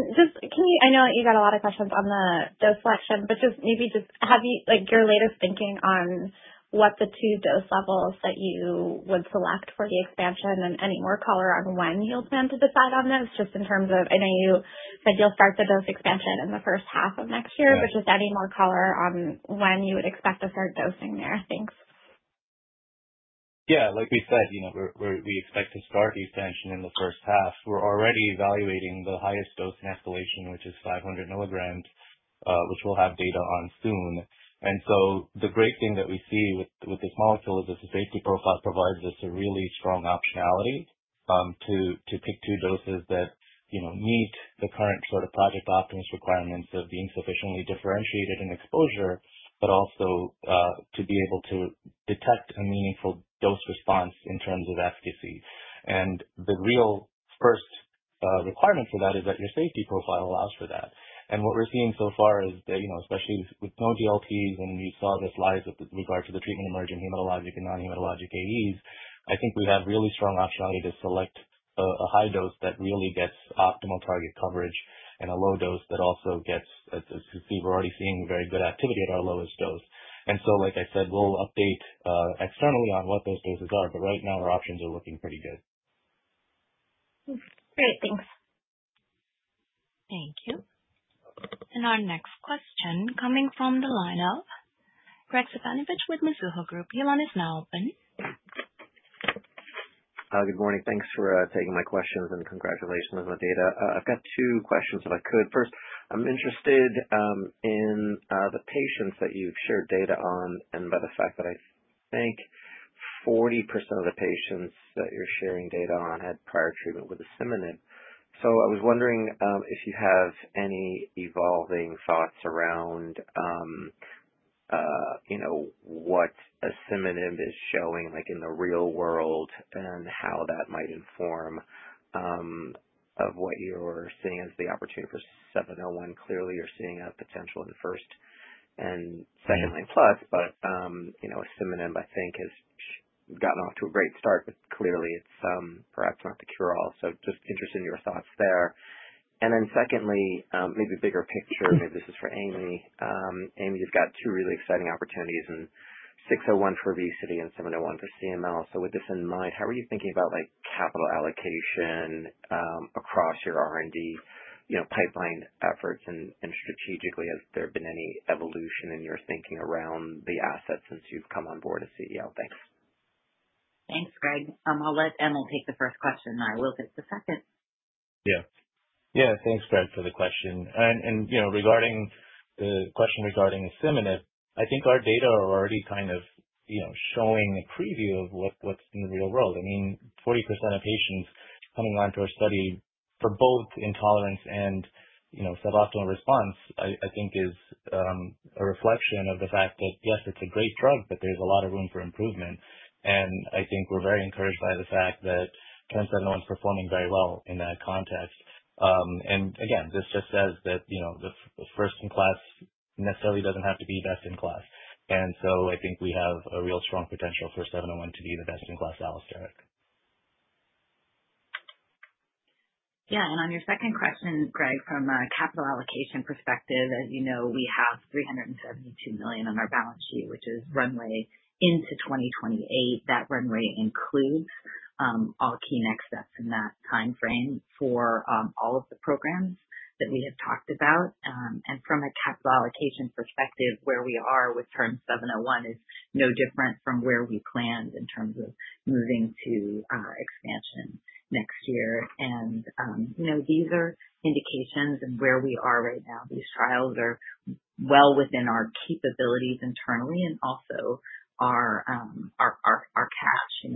I know that you got a lot of questions on the dose selection, but just maybe have your latest thinking on what the two dose levels that you would select for the expansion and any more color on when you'll plan to decide on this, just in terms of I know you said you'll start the dose expansion in the first half of next year, but just any more color on when you would expect to start dosing there. Thanks. Yeah. Like we said, we expect to start the expansion in the first half. We're already evaluating the highest dose in escalation, which is 500 mg which we'll have data on soon. And so the great thing that we see with this molecule is that the safety profile provides us a really strong optionality to pick two doses that meet the current sort of Project Optimus requirements of being sufficiently differentiated in exposure, but also to be able to detect a meaningful dose-response in terms of efficacy. And the real first requirement for that is that your safety profile allows for that. And what we're seeing so far is that, especially with no DLTs, and we saw this live with regard to the treatment-emerging hematologic and non-hematologic AEs, I think we have really strong optionality to select a high dose that really gets optimal target coverage and a low dose that also gets a. We're already seeing very good activity at our lowest dose. And so, like I said, we'll update externally on what those doses are. But right now, our options are looking pretty good. Great. Thanks. Thank you. Our next question is coming from the line of Graig Suvannavejh with Mizuho Group. Your line is now open. Good morning. Thanks for taking my questions and congratulations on the data. I've got two questions, if I could. First, I'm interested in the patients that you've shared data on and by the fact that I think 40% of the patients that you're sharing data on had prior treatment with asciminib. So I was wondering if you have any evolving thoughts around what asciminib is showing in the real world and how that might inform what you're seeing as the opportunity for 701. Clearly, you're seeing a potential in first and second line plus, but asciminib, I think, has gotten off to a great start, but clearly, it's perhaps not the cure-all. So just interested in your thoughts there. And then secondly, maybe bigger picture, maybe this is for Amy. Amy, you've got two really exciting opportunities in 601 for obesity and 701 for CML. So with this in mind, how are you thinking about capital allocation across your R&D pipeline efforts? And strategically, has there been any evolution in your thinking around the assets since you've come on board as CEO? Thanks. Thanks, Graig. I'll let Emil take the first question, and I will take the second. Yeah. Yeah. Thanks, Graig, for the question. And regarding the question regarding asciminib, I think our data are already kind of showing a preview of what's in the real world. I mean, 40% of patients coming on to our study for both intolerance and suboptimal response, I think, is a reflection of the fact that, yes, it's a great drug, but there's a lot of room for improvement. I think we're very encouraged by the fact that TERN-701 is performing very well in that context. And again, this just says that the first-in-class necessarily doesn't have to be best-in-class. And so I think we have a real strong potential for 701 to be the best-in-class allosteric. Yeah. And on your second question, Graig, from a capital allocation perspective, as you know, we have $372 million on our balance sheet, which is runway into 2028. That runway includes all key next steps in that timeframe for all of the programs that we have talked about. And from a capital allocation perspective, where we are with TERN-701 is no different from where we planned in terms of moving to expansion next year. And these are indications of where we are right now. These trials are well within our capabilities internally and also our cash.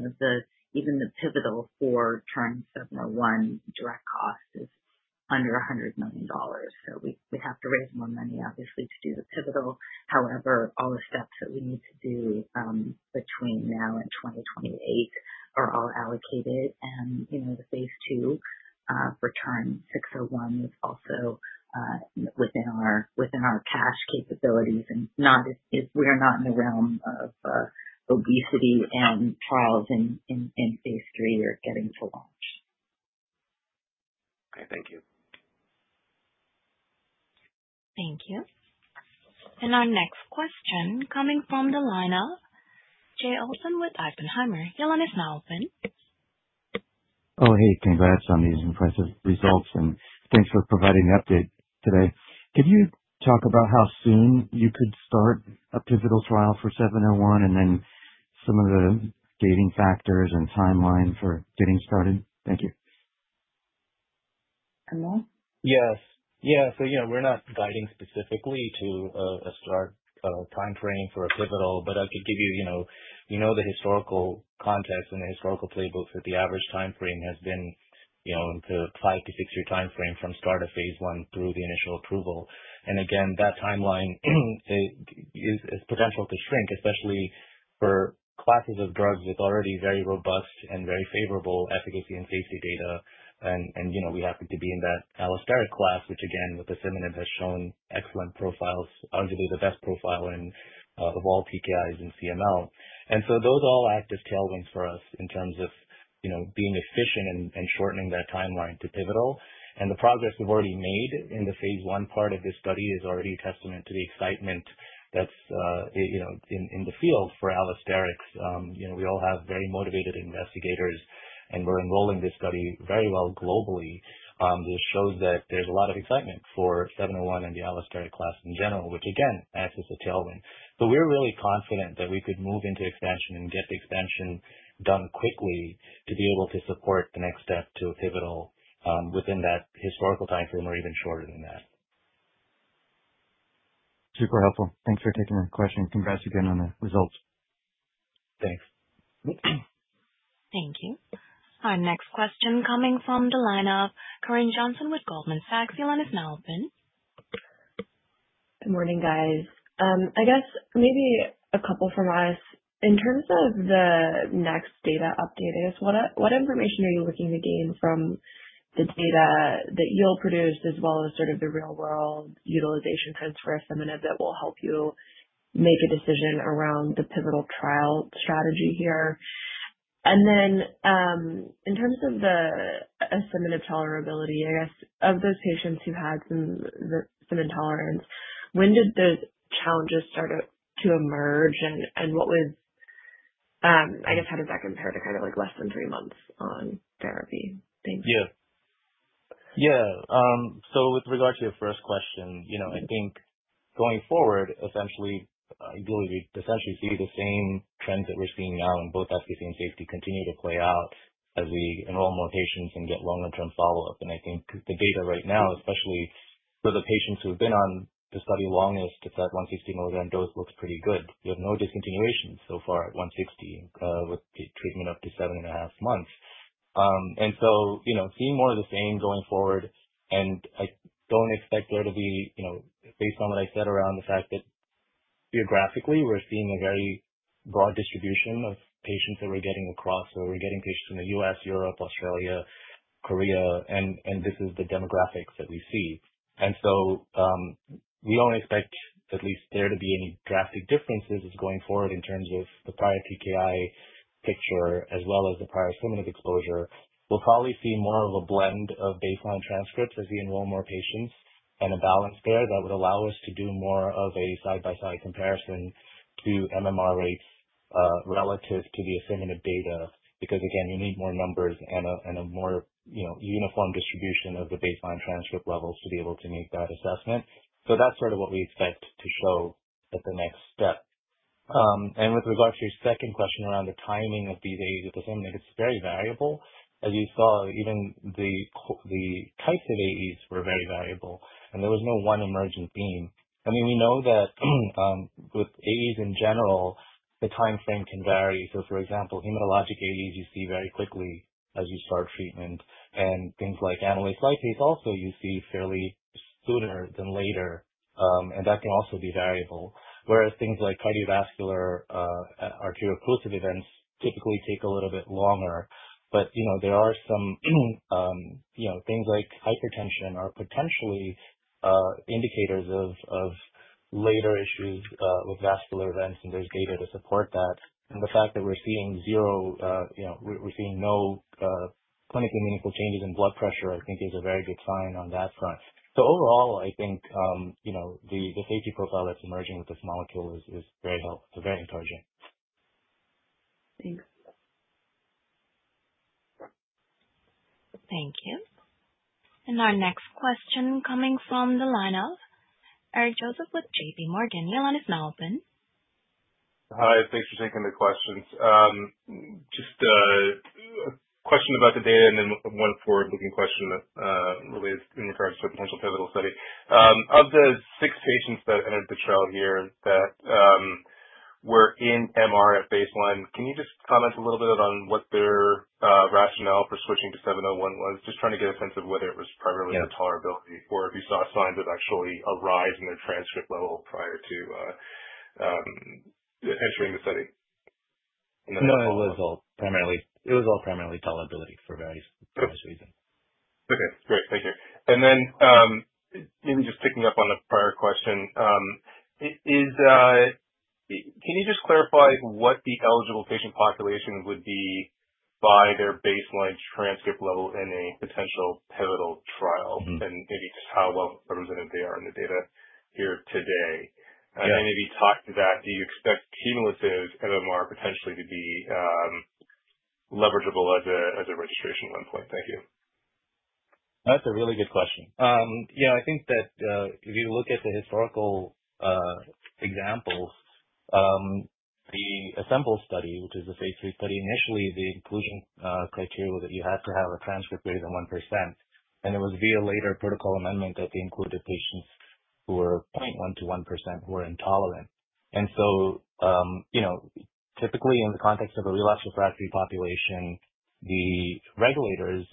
Even the pivotal for TERN-701 direct cost is under $100 million. So we have to raise more money, obviously, to do the pivotal. However, all the steps that we need to do between now and 2028 are all allocated. And the Phase II for TERN-601 is also within our cash capabilities. And we are not in the realm of obesity, and trials in Phase III are getting to launch. Okay. Thank you. Thank you. And our next question coming from the line of Jay Olson with Oppenheimer. Your line is now open. Oh, hey. Congrats on these impressive results. And thanks for providing the update today. Could you talk about how soon you could start a pivotal trial for 701 and then some of the driving factors and timeline for getting started? Thank you. Emil? Yes. Yeah. We're not guiding specifically to a start timeframe for a pivotal, but I could give you. We know the historical context and the historical playbooks that the average timeframe has been to a five- to six-year timeframe from start of Phase I through the initial approval. That timeline has potential to shrink, especially for classes of drugs with already very robust and very favorable efficacy and safety data. We happen to be in that allosteric class, which, again, with asciminib has shown excellent profiles, arguably the best profile of all TKIs in CML. Those all act as tailwinds for us in terms of being efficient and shortening that timeline to pivotal. The progress we've already made in the Phase I part of this study is already a testament to the excitement that's in the field for allosterics. We all have very motivated investigators, and we're enrolling this study very well globally. This shows that there's a lot of excitement for 701 and the allosteric class in general, which, again, acts as a tailwind. So we're really confident that we could move into expansion and get the expansion done quickly to be able to support the next step to a pivotal within that historical timeframe or even shorter than that. Super helpful. Thanks for taking the question. Congrats again on the results. Thanks. Thank you. Our next question coming from the line of Corinne Jenkins with Goldman Sachs. Your line is now open. Good morning, guys. I guess maybe a couple from us. In terms of the next data update, I guess, what information are you looking to gain from the data that you'll produce as well as sort of the real-world utilization trends for asciminib that will help you make a decision around the pivotal trial strategy here? And then in terms of the asciminib tolerability, I guess, of those patients who had some intolerance, when did those challenges start to emerge? And I guess, how does that compare to kind of less than three months on therapy? Thanks. Yeah. Yeah. So with regard to your first question, I think going forward, essentially, I believe we essentially see the same trends that we're seeing now, and both efficacy and safety continue to play out as we enroll more patients and get longer-term follow-up.I think the data right now, especially for the patients who have been on the study longest, it's at 160 mg dose looks pretty good. We have no discontinuations so far at 160 mg with treatment up to seven and a half months. And so seeing more of the same going forward, and I don't expect there to be, based on what I said around the fact that geographically, we're seeing a very broad distribution of patients that we're getting across. So we're getting patients from the U.S.,, Europe, Australia, Korea, and this is the demographics that we see. And so we don't expect at least there to be any drastic differences going forward in terms of the prior TKI picture as well as the prior asciminib exposure. We'll probably see more of a blend of baseline transcripts as we enroll more patients and a balance there that would allow us to do more of a side-by-side comparison to MMR rates relative to the asciminib data because, again, you need more numbers and a more uniform distribution of the baseline transcript levels to be able to make that assessment. So that's sort of what we expect to show at the next step. And with regard to your second question around the timing of these AEs with asciminib, it's very variable. As you saw, even the types of AEs were very variable, and there was no one emerging theme. I mean, we know that with AEs in general, the timeframe can vary. So for example, hematologic AEs, you see very quickly as you start treatment. Things like amylase lipase also, you see fairly sooner than later, and that can also be variable. Whereas things like cardiovascular arterio-occlusive events typically take a little bit longer. But there are some things like hypertension are potentially indicators of later issues with vascular events, and there's data to support that. And the fact that we're seeing no clinically meaningful changes in blood pressure, I think, is a very good sign on that front. So overall, I think the safety profile that's emerging with this molecule is very helpful. It's very encouraging. Thanks. Thank you. And our next question coming from the line of Eric Joseph with JPMorgan. Your line is now open. Hi. Thanks for taking the questions. Just a question about the data and then one forward-looking question related in regards to a potential pivotal study. Of the six patients that entered the trial here that were in MR at baseline, can you just comment a little bit on what their rationale for switching to 701 was? Just trying to get a sense of whether it was primarily the tolerability or if you saw signs of actually a rise in their transcript level prior to entering the study. No, it was all primarily tolerability for various reasons. Okay. Great. Thank you. And then maybe just picking up on the prior question, can you just clarify what the eligible patient population would be by their baseline transcript level in a potential pivotal trial and maybe just how well represented they are in the data here today? And then if you talk to that, do you expect cumulative MMR potentially to be leverageable as a registration at one point? Thank you. That's a really good question. Yeah. I think that if you look at the historical examples, the asciminib study, which is the Phase III study, initially, the inclusion criteria was that you had to have a transcript greater than 1%. And it was via later protocol amendment that they included patients who were 0.1%-1% who were intolerant. And so typically, in the context of a relapse refractory population, the regulators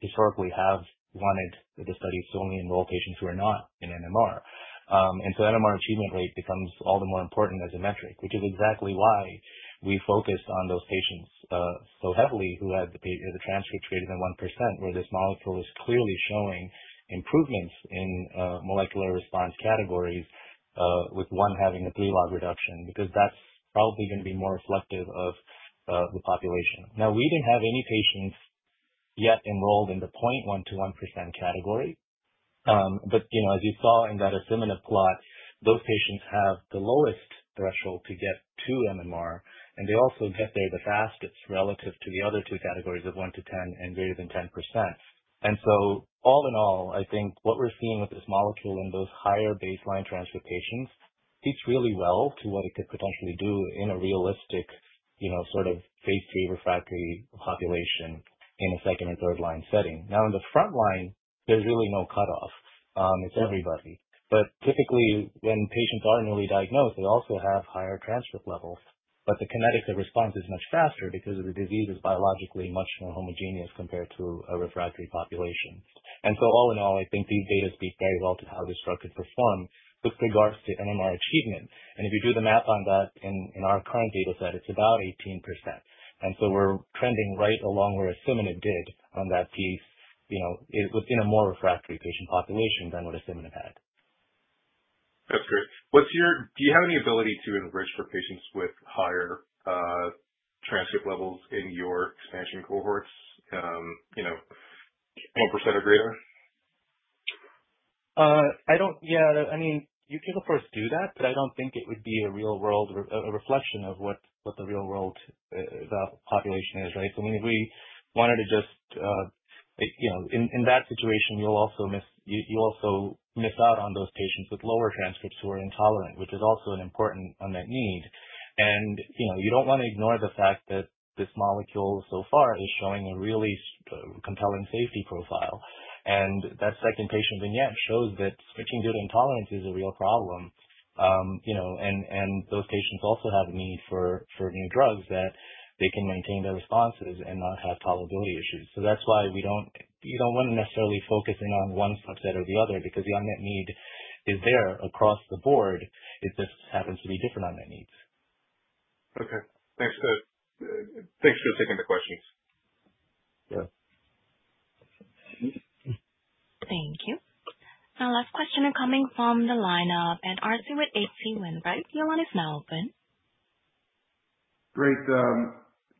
historically have wanted the study to only enroll patients who are not in MMR. And so MMR achievement rate becomes all the more important as a metric, which is exactly why we focused on those patients so heavily who had the transcript greater than 1%, where this molecule is clearly showing improvements in molecular response categories with one having a three log reduction because that's probably going to be more reflective of the population. Now, we didn't have any patients yet enrolled in the 0.1%-1% category, but as you saw in that asciminib plot, those patients have the lowest threshold to get to MMR, and they also get there the fastest relative to the other two categories of 1%-10% and greater than 10%. and so all in all, I think what we're seeing with this molecule in those higher baseline transcript patients fits really well to what it could potentially do in a realistic sort of Phase III refractory population in a second and third line setting. Now, in the front line, there's really no cutoff. It's everybody, but typically, when patients are newly diagnosed, they also have higher transcript levels, but the kinetics of response is much faster because the disease is biologically much more homogeneous compared to a refractory population. And so all in all, I think these data speak very well to how this drug could perform with regards to MMR achievement. And if you do the math on that in our current data set, it's about 18%. And so we're trending right along where asciminib did on that piece within a more refractory patient population than what asciminib had. That's great. Do you have any ability to enrich for patients with higher transcript levels in your expansion cohorts? 1% or greater? Yeah. I mean, you could, of course, do that, but I don't think it would be a real-world reflection of what the real-world population is, right? So I mean, if we wanted to just in that situation, you'll also miss out on those patients with lower transcripts who are intolerant, which is also an important unmet need. You don't want to ignore the fact that this molecule so far is showing a really compelling safety profile. And that second patient vignette shows that switching due to intolerance is a real problem. And those patients also have a need for new drugs that they can maintain their responses and not have tolerability issues. So that's why you don't want to necessarily focus in on one subset or the other because the unmet need is there across the board. It just happens to be different on that needs. Okay. Thanks for taking the questions. Yeah. Thank you. Our last question is coming from the line of Ed Arce with H.C. Wainwright. Your line is now open. Great.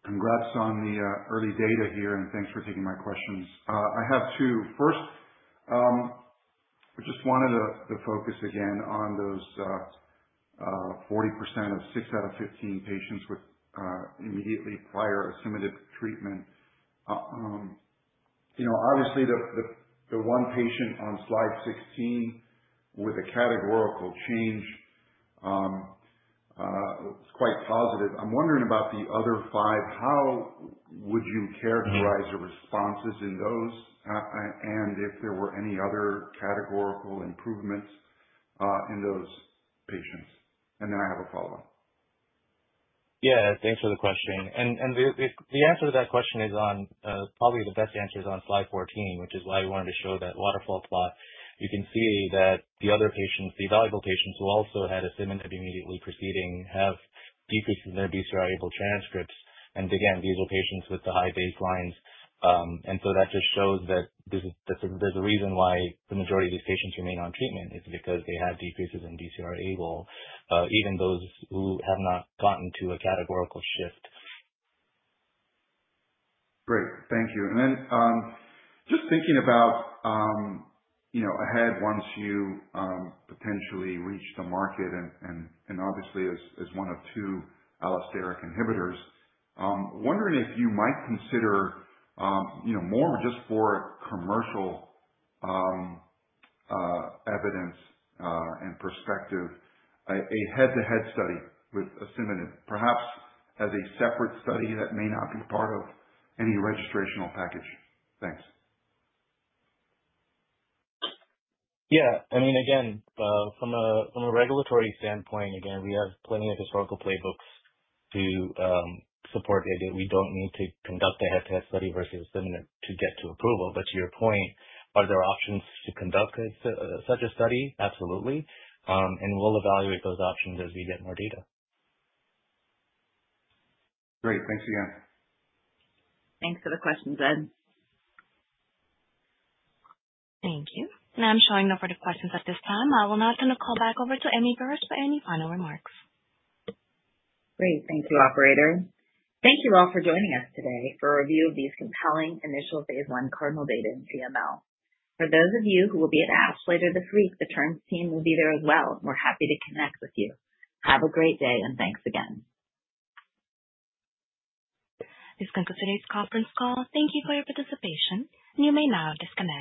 Congrats on the early data here, and thanks for taking my questions. I have two. First, I just wanted to focus again on those 40% of six out of 15 patients with immediately prior asciminib treatment. Obviously, the one patient on slide 16 with a categorical change is quite positive. I'm wondering about the other five. How would you characterize your responses in those? And if there were any other categorical improvements in those patients? And then I have a follow-up. Yeah. Thanks for the question. And the answer to that question is on probably the best answer is on slide 14, which is why I wanted to show that waterfall plot. You can see that the other patients, the evaluable patients who also had asciminib immediately preceding, have decreases in their BCR-ABL transcripts. And again, these are patients with the high baselines. And so that just shows that there's a reason why the majority of these patients remain on treatment is because they have decreases in BCR-ABL, even those who have not gotten to a categorical shift. Great. Thank you. And then just thinking about ahead once you potentially reach the market and obviously as one of two allosteric inhibitors, wondering if you might consider more just for commercial evidence and perspective, a head-to-head study with asciminib, perhaps as a separate study that may not be part of any registrational package. Thanks. Yeah. I mean, again, from a regulatory standpoint, again, we have plenty of historical playbooks to support the idea that we don't need to conduct a head-to-head study versus asciminib to get to approval. But to your point, are there options to conduct such a study? Absolutely. And we'll evaluate those options as we get more data. Great. Thanks again. Thanks for the questions, Ed. Thank you, and I'm showing no further questions at this time. I will now turn the call back over to Amy Burroughs for any final remarks. Great. Thank you, operator. Thank you all for joining us today for a review of these compelling initial Phase I CARDINAL data in CML. For those of you who will be at ASH later this week, the Terns team will be there as well. We're happy to connect with you. Have a great day, and thanks again. This concludes today's conference call. Thank you for your participation, and you may now disconnect.